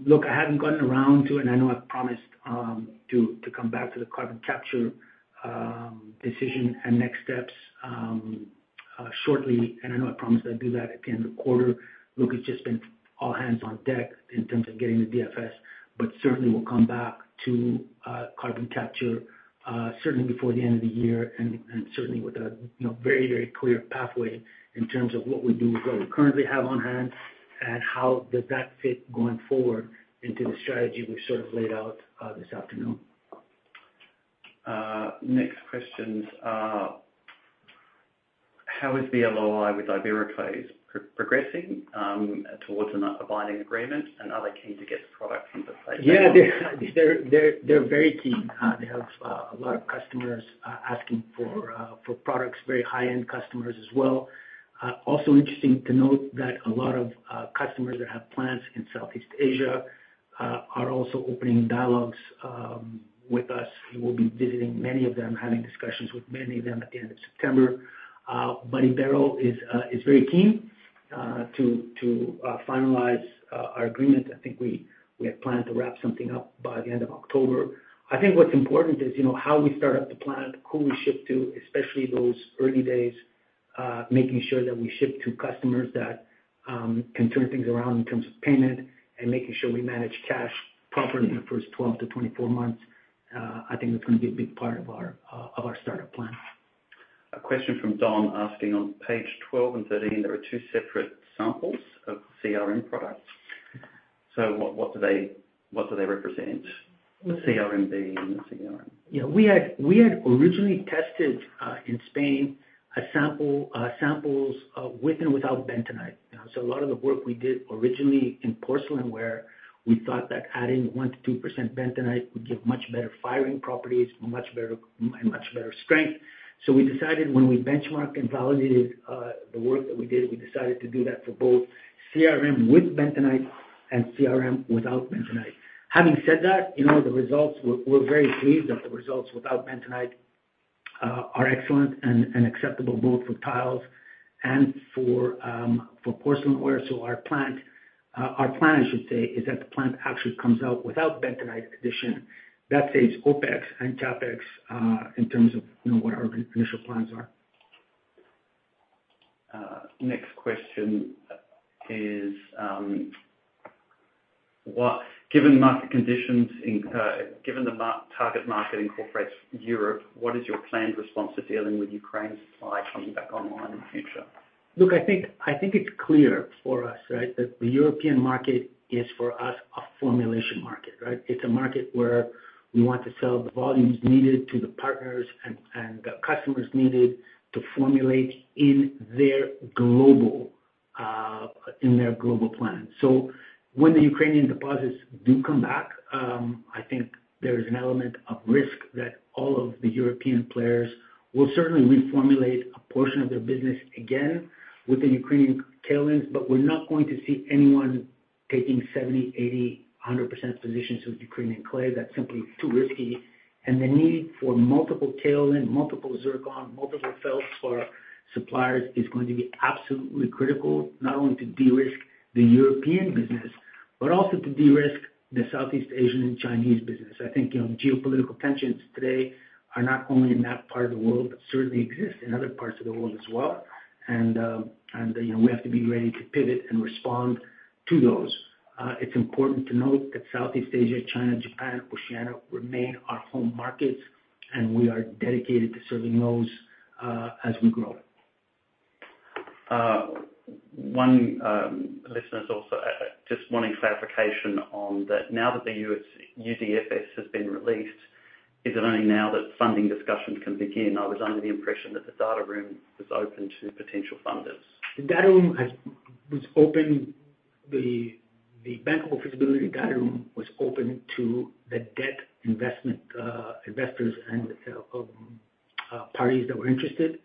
Look, I haven't gotten around to, and I know I've promised, to come back to the carbon capture decision and next steps shortly, and I know I promised I'd do that at the end of the quarter. Look, it's just been all hands on deck in terms of getting the DFS, but certainly we'll come back to carbon capture, certainly before the end of the year, and, and certainly with a, you know, very, very clear pathway in terms of what we do with what we currently have on hand, and how does that fit going forward into the strategy we've sort of laid out this afternoon. Next questions. How is the LOI with IberoClays progressing towards a binding agreement? And are they keen to get the product into place? Yeah, they're very keen. They have a lot of customers asking for products, very high-end customers as well. Also interesting to note that a lot of customers that have plants in Southeast Asia are also opening dialogues with us. We will be visiting many of them, having discussions with many of them at the end of September. But IberoClays is very keen to finalize our agreement. I think we have planned to wrap something up by the end of October. I think what's important is, you know, how we start up the plant, who we ship to, especially those early days, making sure that we ship to customers that can turn things around in terms of payment and making sure we manage cash properly in the first 12-24 months. I think that's gonna be a big part of our startup plan. A question from Don, asking: On page 12 and 13, there are two separate samples of CRM products. So what do they represent, the CRM-B and the CRM? Yeah. We had, we had originally tested in Spain, a sample, samples, with and without bentonite. You know, so a lot of the work we did originally in porcelain, where we thought that adding 1%-2% bentonite would give much better firing properties, much better, and much better strength. So we decided when we benchmarked and validated the work that we did, we decided to do that for both CRM with bentonite and CRM without bentonite. Having said that, you know, the results, we're, we're very pleased that the results without bentonite are excellent and, and acceptable both for tiles and for porcelain ware. So our plant, our plan, I should say, is that the plant actually comes out without bentonite addition. That saves OpEx and CapEx in terms of, you know, what our initial plans are. Next question is, given market conditions in, given the target market incorporates Europe, what is your planned response to dealing with Ukraine supply coming back online in the future? Look, I think, I think it's clear for us, right? That the European market is, for us, a formulation market, right? It's a market where we want to sell the volumes needed to the partners and, and the customers needed to formulate in their global, in their global plan. So when the Ukrainian deposits do come back, I think there is an element of risk that all of the European players will certainly reformulate a portion of their business again with the Ukrainian tailings, but we're not going to see anyone taking 70, 80, 100% positions with Ukrainian clay. That's simply too risky. And the need for multiple tailing, multiple zircon, multiple feldspar suppliers is going to be absolutely critical, not only to de-risk the European business, but also to de-risk the Southeast Asian and Chinese business. I think, you know, geopolitical tensions today are not only in that part of the world, but certainly exist in other parts of the world as well. You know, we have to be ready to pivot and respond to those. It's important to note that Southeast Asia, China, Japan, Oceania, remain our home markets, and we are dedicated to serving those, as we grow. One listener is also just wanting clarification on that. Now that the updated DFS has been released, is it only now that funding discussions can begin? I was under the impression that the data room was open to potential funders. The data room was open, the bankable feasibility data room was open to the debt investment investors and parties that were interested.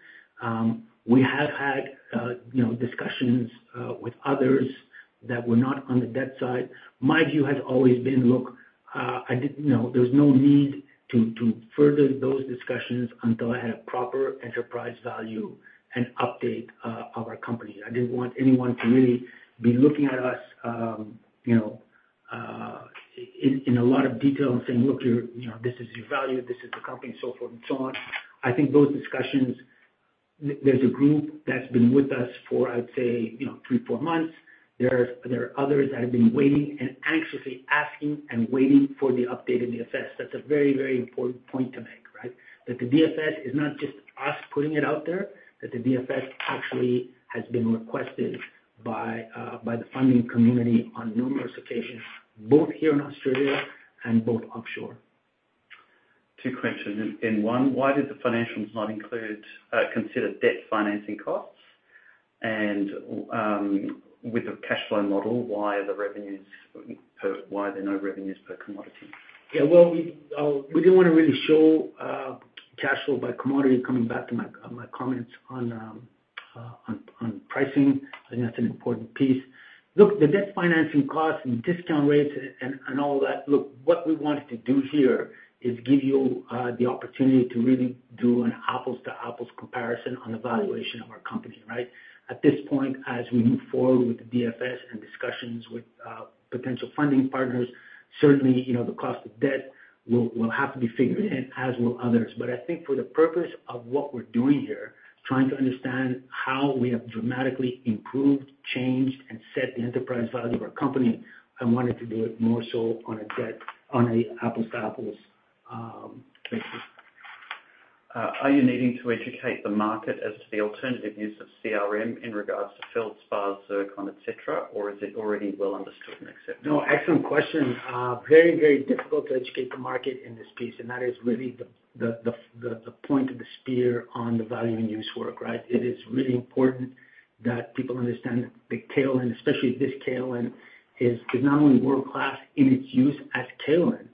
We have had, you know, discussions with others that were not on the debt side. My view has always been, look, you know, there was no need to further those discussions until I had a proper enterprise value and update of our company. I didn't want anyone to really be looking at us, you know, in a lot of detail and saying: Look, you're, you know, this is your value, this is the company, so forth and so on. I think those discussions. There's a group that's been with us for, I'd say, you know, three, four months. There are others that have been waiting and anxiously asking and waiting for the updated DFS. That's a very, very important point to make, right? That the DFS is not just us putting it out there, that the DFS actually has been requested by the funding community on numerous occasions, both here in Australia and both offshore. Two questions. In one, why did the financials not include consider debt financing costs? And with the cash flow model, why are there no revenues per commodity? Yeah, well, we, we didn't wanna really show cash flow by commodity, coming back to my, my comments on, on pricing. I think that's an important piece. Look, the debt financing costs and discount rates and, and all that, look, what we wanted to do here is give you the opportunity to really do an apples to apples comparison on the valuation of our company, right? At this point, as we move forward with the DFS and discussions with potential funding partners, certainly, you know, the cost of debt will, will have to be figured in, as will others. But I think for the purpose of what we're doing here, trying to understand how we have dramatically improved, changed, and set the enterprise value of our company, I wanted to do it more so on a debt, on an apples-to-apples basis. Are you needing to educate the market as to the alternative use of CRM in regards to feldspar, zircon, et cetera, or is it already well understood and accepted? No, excellent question. Very, very difficult to educate the market in this piece, and that is really the point of the spear on the value and use work, right? It is really important that people understand that the kaolin, especially this kaolin, is not only world-class in its use as kaolin,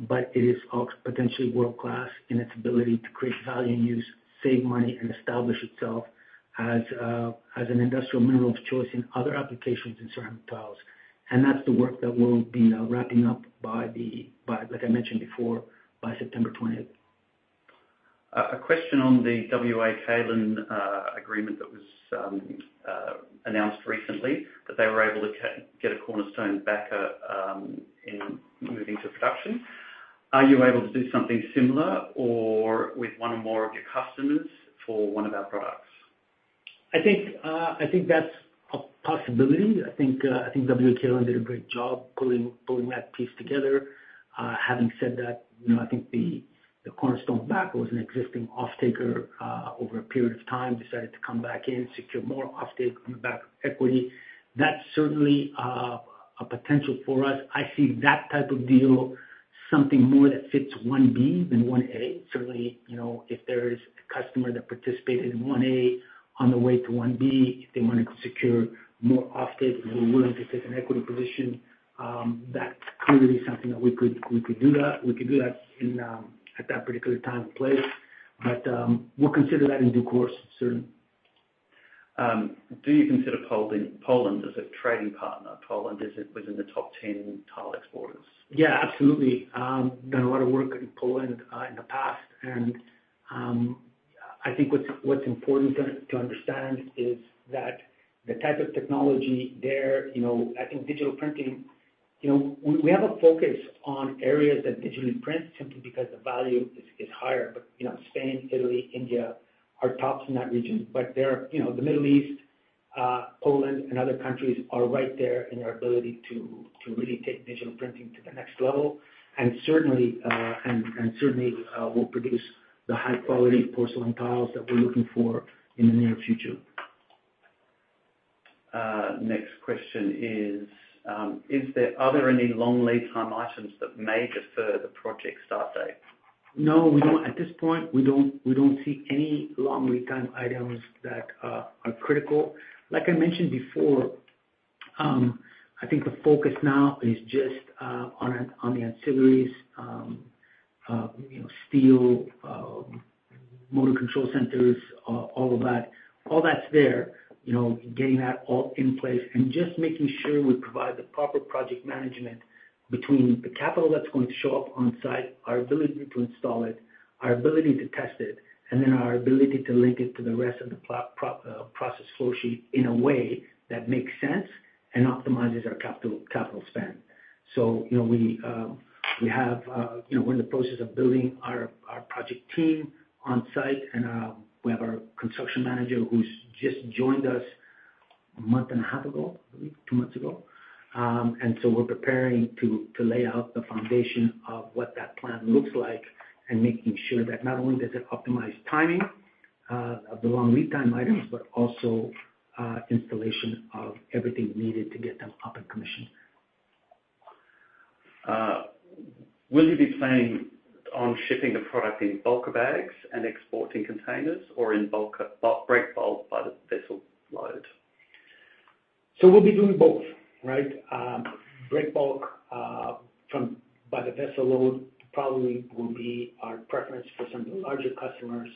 but it is also potentially world-class in its ability to create value and use, save money, and establish itself as an industrial mineral of choice in other applications in ceramic tiles. And that's the work that we'll be wrapping up by, like I mentioned before, by September 20th. A question on the WA Kaolin agreement that was announced recently, that they were able to get a cornerstone backer in moving to production. Are you able to do something similar or with one or more of your customers for one of our products? I think, I think that's a possibility. I think, I think WA Kaolin did a great job pulling that piece together. Having said that, you know, I think the cornerstone backer was an existing offtaker over a period of time, decided to come back in, secure more offtake on the back of equity. That's certainly a potential for us. I see that type of deal, something more that fits one B than 1A. Certainly, you know, if there is a customer that participated in 1A on the way to 2B, if they wanna secure more offtake and we're willing to take an equity position, that's clearly something that we could do that. We could do that in at that particular time and place, but we'll consider that in due course, certainly. Do you consider Poland, Poland as a trading partner? Poland is within the top 10 tile exporters. Yeah, absolutely. Done a lot of work in Poland in the past, and I think what's important to understand is that the type of technology there, you know, I think digital printing, you know, we have a focus on areas that digitally print simply because the value is higher. But, you know, Spain, Italy, India, are tops in that region. But they're... You know, the Middle East, Poland, and other countries are right there in our ability to really take digital printing to the next level, and certainly will produce the high-quality porcelain tiles that we're looking for in the near future. Next question is: Are there any long lead time items that may defer the project start date? No, we don't. At this point, we don't, we don't see any long lead time items that are critical. Like I mentioned before, I think the focus now is just on, on the ancillaries, you know, steel, motor control centers, all of that. All that's there, you know, getting that all in place and just making sure we provide the proper project management between the capital that's going to show up on site, our ability to install it, our ability to test it, and then our ability to link it to the rest of the process flow sheet in a way that makes sense and optimizes our capital, capital spend. So, you know, we have, you know, we're in the process of building our project team on site, and we have our construction manager who's just joined us a month and a half ago, I believe, two months ago. And so we're preparing to lay out the foundation of what that plan looks like and making sure that not only does it optimize timing of the long lead time items, but also installation of everything needed to get them up and commissioned. Will you be planning on shipping the product in bulk bags and exporting containers or in bulk, break bulk by the vessel load? So we'll be doing both, right? Break bulk, from by the vessel load probably will be our preference for some larger customers.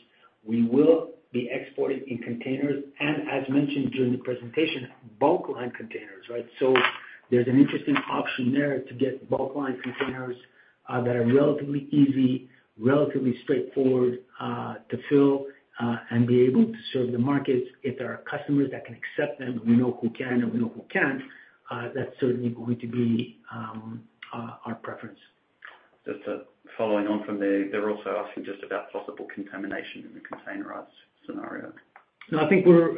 We will be exporting in containers, and as mentioned during the presentation, bulk liner containers, right? So there's an interesting option there to get bulk liner containers, that are relatively easy, relatively straightforward, to fill, and be able to serve the markets. If there are customers that can accept them, we know who can and we know who can't, that's certainly going to be, our preference.... Just, following on from there, they're also asking just about possible contamination in the containerized scenario. No, I think we're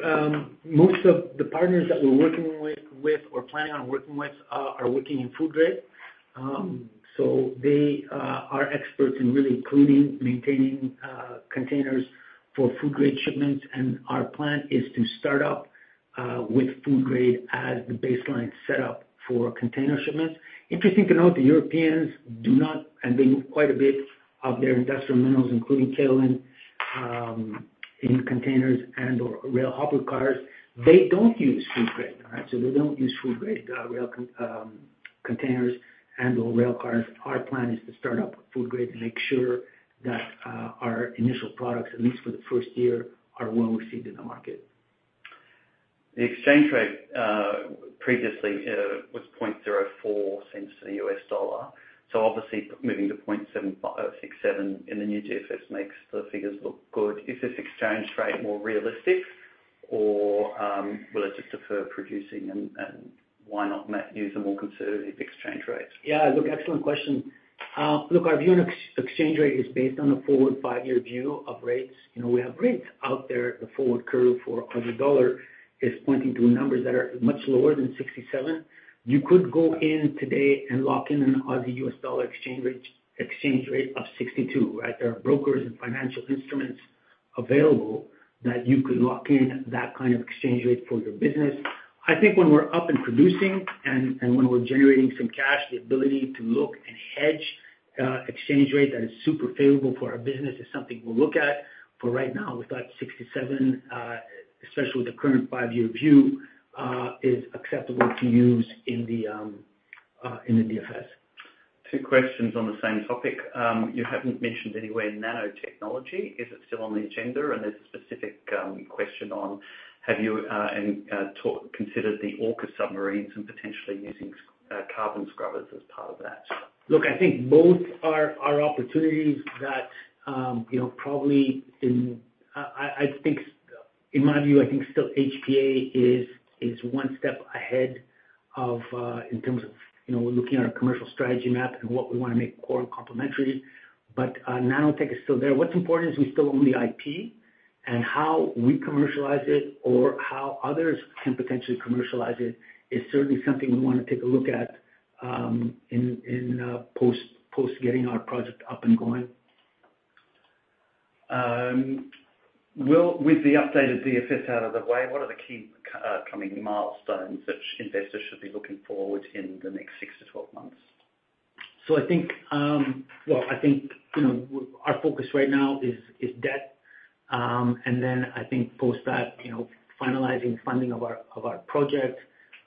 most of the partners that we're working with or planning on working with are working in food grade. So they are experts in really cleaning, maintaining containers for food grade shipments, and our plan is to start up with food grade as the baseline setup for container shipments. Interesting to note, the Europeans do not, and they move quite a bit of their industrial minerals, including kaolin, in containers and/or rail hopper cars. They don't use food grade, all right? So they don't use food grade rail containers and/or rail cars. Our plan is to start up with food grade to make sure that our initial products, at least for the first year, are well received in the market. The exchange rate, previously, was uncertain to the US dollar. So obviously, moving to 0.7567 in the new DFS makes the figures look good. Is this exchange rate more realistic, or, will it just defer producing, and, and why not use a more conservative exchange rate? Yeah, look, excellent question. Look, our view on exchange rate is based on a forward five-year view of rates. You know, we have rates out there. The forward curve for Aussie dollar is pointing to numbers that are much lower than 67. You could go in today and lock in an Aussie/US dollar exchange rate of 62, right? There are brokers and financial instruments available that you could lock in that kind of exchange rate for your business. I think when we're up and producing and when we're generating some cash, the ability to look and hedge exchange rate that is super favorable for our business is something we'll look at. For right now, we thought 67, especially with the current five-year view, is acceptable to use in the DFS. Two questions on the same topic. You haven't mentioned anywhere nanotechnology. Is it still on the agenda? And there's a specific question on, have you considered the AUKUS submarines and potentially using carbon scrubbers as part of that? Look, I think both are opportunities that, you know, probably. I think, in my view, I think still HPA is one step ahead of, in terms of, you know, looking at our commercial strategy map and what we wanna make core and complementary. But nanotech is still there. What's important is we still own the IP, and how we commercialize it or how others can potentially commercialize it is certainly something we want to take a look at, in post getting our project up and going. Well, with the updated DFS out of the way, what are the key coming milestones that investors should be looking forward in the next 6-12 months? So I think, well, I think, you know, our focus right now is, is debt. And then I think post that, you know, finalizing funding of our, of our project.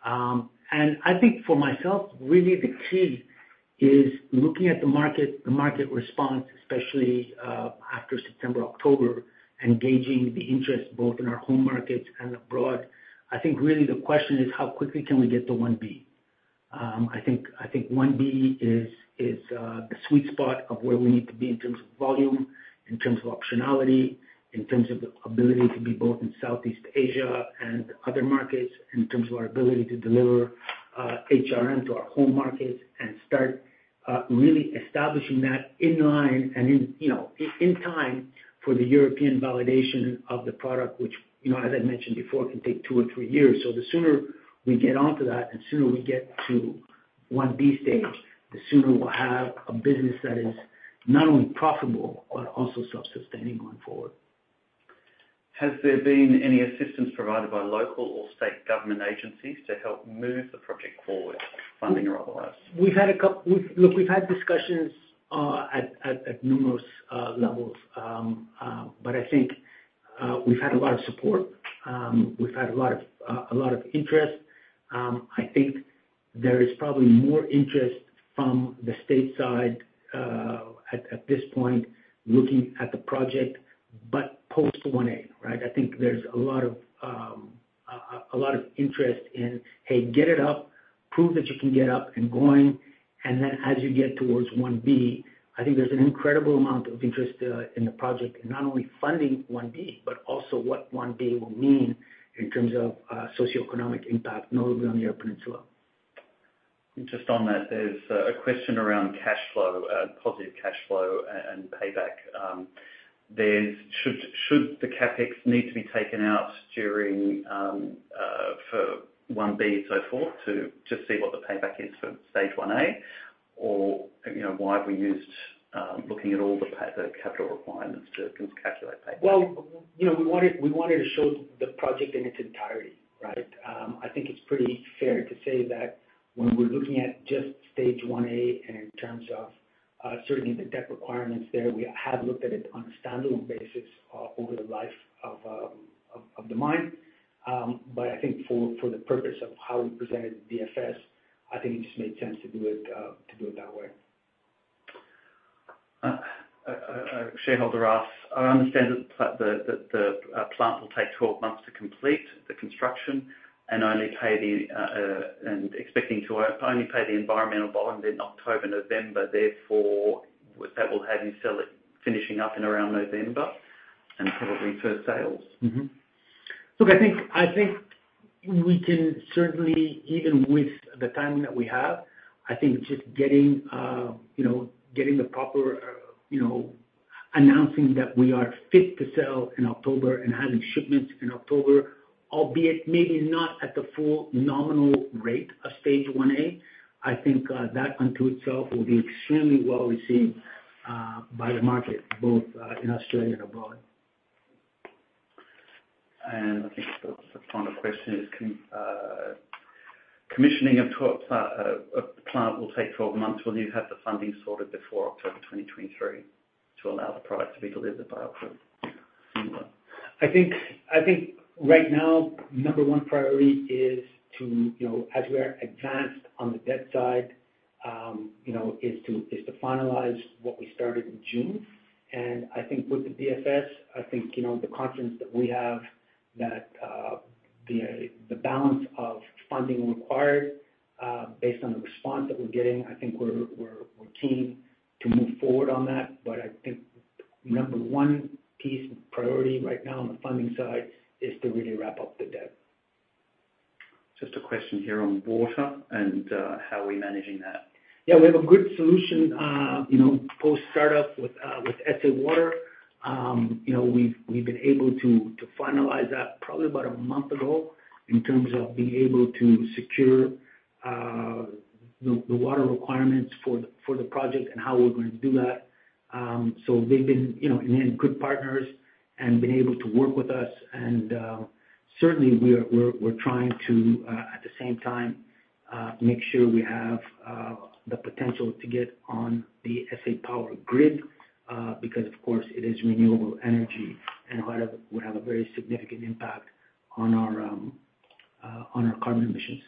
And I think for myself, really the key is looking at the market, the market response, especially, after September, October, and gauging the interest both in our home markets and abroad. I think really the question is: How quickly can we get to 1 B? I think 1 B is the sweet spot of where we need to be in terms of volume, in terms of optionality, in terms of the ability to be both in Southeast Asia and other markets, in terms of our ability to deliver HRM to our home markets and start really establishing that in line and in, you know, in time for the European validation of the product, which, you know, as I mentioned before, can take two or three years. So the sooner we get onto that and sooner we get to 1 B stage, the sooner we'll have a business that is not only profitable, but also self-sustaining going forward. Has there been any assistance provided by local or state government agencies to help move the project forward, funding or otherwise? Look, we've had discussions at numerous levels. But I think we've had a lot of support. We've had a lot of interest. I think there is probably more interest from the state side at this point, looking at the project, but post one A, right? I think there's a lot of interest in, "Hey, get it up, prove that you can get up and going," and then as you get towards one B, I think there's an incredible amount of interest in the project, in not only funding one B, but also what one B will mean in terms of socioeconomic impact, notably on the Eyre Peninsula. Just on that, there's a question around cash flow, positive cash flow and payback. Should the CapEx need to be taken out during for 1B and so forth to just see what the payback is for stage 1A? Or, you know, why have we used, looking at all the the capital requirements to calculate payback? Well, you know, we wanted to show the project in its entirety, right? I think it's pretty fair to say that when we're looking at just stage one A in terms of certainly the debt requirements there, we have looked at it on a standalone basis over the life of the mine. But I think for the purpose of how we presented DFS, I think it just made sense to do it that way. A shareholder asks, "I understand that the plant will take 12 months to complete the construction and expecting to only pay the environmental bond in October, November. Therefore, that will have you sell it, finishing up in around November and probably for sales. Look, I think, I think we can certainly, even with the timing that we have, I think just getting, you know, getting the proper, you know, announcing that we are fit to sell in October and having shipments in October, albeit maybe not at the full nominal rate of stage one A, I think, that unto itself will be extremely well received, by the market, both, in Australia and abroad. I think the final question is, can commissioning of the plant will take 12 months. Will you have the funding sorted before October 2023 to allow the product to be delivered by October? I think right now, number one priority is to, you know, as we are advanced on the debt side, you know, finalize what we started in June. And I think with the BFS, I think, you know, the confidence that we have, that the balance of funding required, based on the response that we're getting, I think we're keen to move forward on that. But I think number one piece of priority right now on the funding side is to really wrap up the debt. Just a question here on water and how we're managing that. Yeah, we have a good solution, you know, post-startup with SA Water. You know, we've been able to finalize that probably about a month ago, in terms of being able to secure the water requirements for the project and how we're going to do that. So they've been, you know, again, good partners and been able to work with us. And certainly, we're trying to, at the same time, make sure we have the potential to get on the SA Power grid, because, of course, it is renewable energy and would have a very significant impact on our carbon emissions.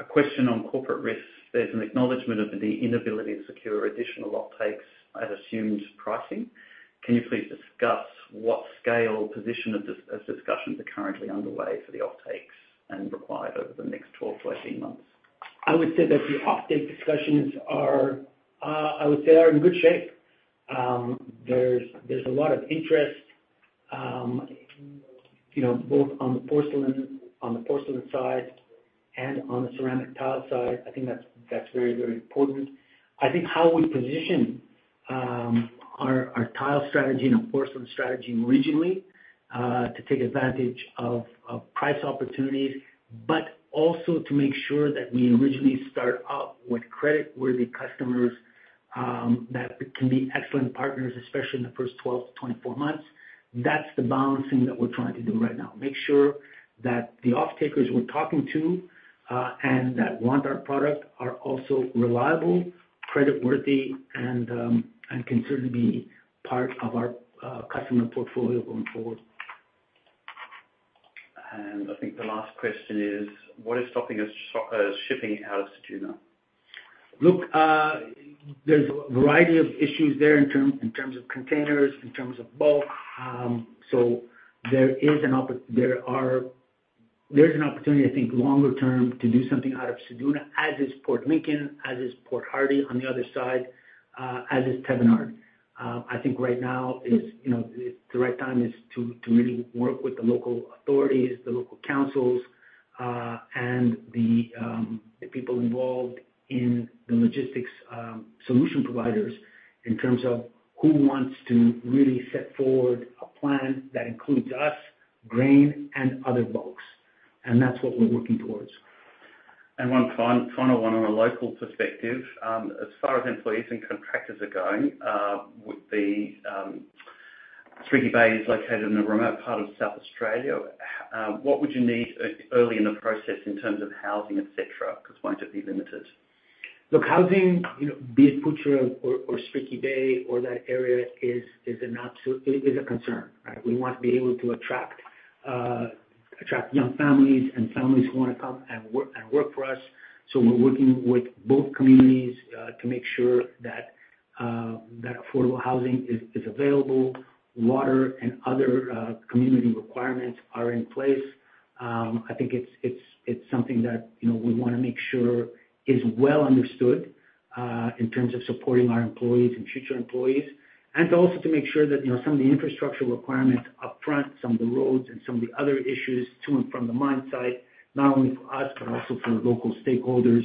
A question on corporate risks. There's an acknowledgment of the inability to secure additional offtakes at assumed pricing. Can you please discuss what scale position of this, as discussions are currently underway for the offtakes and required over the next 12-13 months? I would say that the offtake discussions are, I would say are in good shape. There's, there's a lot of interest, you know, both on the porcelain, on the porcelain side and on the ceramic tile side. I think that's, that's very, very important. I think how we position, our, our tile strategy and our porcelain strategy regionally, to take advantage of, of price opportunities, but also to make sure that we originally start up with credit-worthy customers, that can be excellent partners, especially in the first 12-24 months. That's the balancing that we're trying to do right now. Make sure that the offtakers we're talking to, and that want our product, are also reliable, creditworthy, and, and can certainly be part of our, customer portfolio going forward. I think the last question is, what is stopping us shipping out of Ceduna? Look, there's a variety of issues there in terms of containers, in terms of bulk. So there is an opportunity, I think, longer term, to do something out of Ceduna, as is Port Lincoln, as is Cape Hardy, on the other side, as is Thevenard. I think right now is, you know, the right time is to really work with the local authorities, the local councils, and the people involved in the logistics solution providers, in terms of who wants to really set forward a plan that includes us, grain, and other bulks. And that's what we're working towards. And one final one on a local perspective. As far as employees and contractors are going, would the Streaky Bay is located in a remote part of South Australia. What would you need early in the process in terms of housing, et cetera? Because might it be limited. Look, housing, you know, be it Poochera or Streaky Bay or that area, is an absolute... is a concern, right? We want to be able to attract young families and families who wanna come and work, and work for us. So we're working with both communities, to make sure that affordable housing is available, water and other community requirements are in place. I think it's something that, you know, we wanna make sure is well understood, in terms of supporting our employees and future employees. And also to make sure that, you know, some of the infrastructure requirements upfront, some of the roads and some of the other issues to and from the mine site, not only for us but also for the local stakeholders,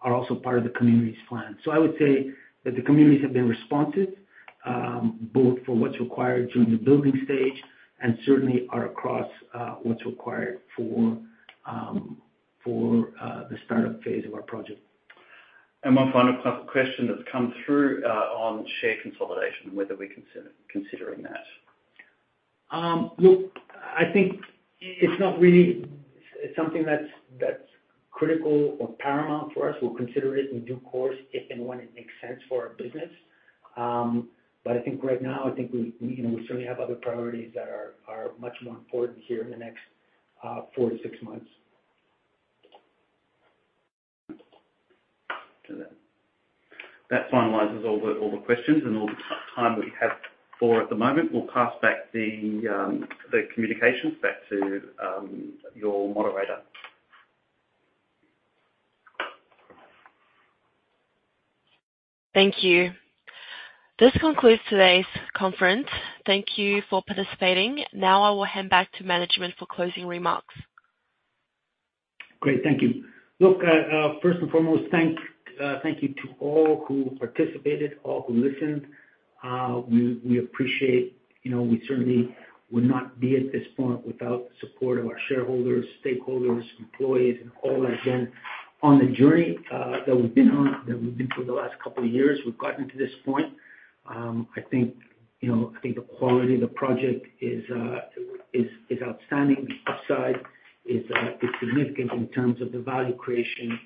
are also part of the community's plan. I would say that the communities have been responsive, both for what's required during the building stage and certainly are across what's required for the startup phase of our project. One final question that's come through on share consolidation, whether we're considering that. Look, I think it's not really... It's something that's critical or paramount for us. We'll consider it in due course if and when it makes sense for our business. But I think right now, I think we, you know, we certainly have other priorities that are much more important here in the next four to six months. That finalizes all the questions and all the time we have for the moment. We'll pass back the communications back to your moderator. Thank you. This concludes today's conference. Thank you for participating. Now I will hand back to management for closing remarks. Great, thank you. Look, first and foremost, thank you to all who participated, all who listened. We appreciate... You know, we certainly would not be at this point without the support of our shareholders, stakeholders, employees, and all that have been on the journey that we've been on for the last couple of years. We've gotten to this point. I think, you know, I think the quality of the project is outstanding. The upside is significant in terms of the value creation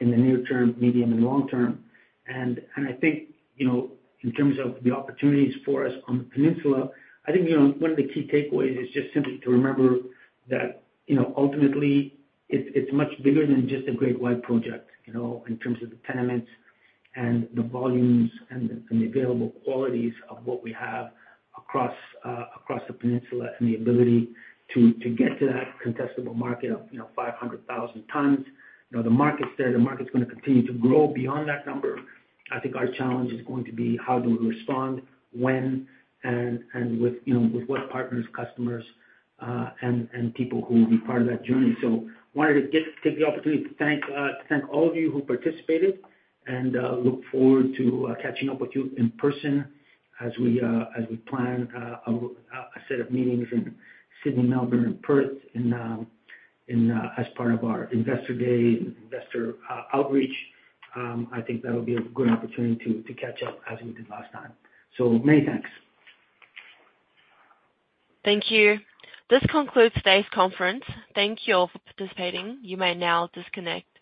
in the near term, medium, and long term. I think, you know, in terms of the opportunities for us on the peninsula, I think, you know, one of the key takeaways is just simply to remember that, you know, ultimately it's, it's much bigger than just a Great White Project, you know, in terms of the tenements and the volumes and the, and the available qualities of what we have across, across the peninsula and the ability to, to get to that contestable market of, you know, 500,000 tons. You know, the market's there, the market's gonna continue to grow beyond that number. I think our challenge is going to be how do we respond, when, and with, you know, with what partners, customers, and people who will be part of that journey. Wanted to take the opportunity to thank all of you who participated, and look forward to catching up with you in person as we plan a set of meetings in Sydney, Melbourne, and Perth, and as part of our investor day and investor outreach. I think that'll be a good opportunity to catch up as we did last time. Many thanks. Thank you. This concludes today's conference. Thank you all for participating. You may now disconnect.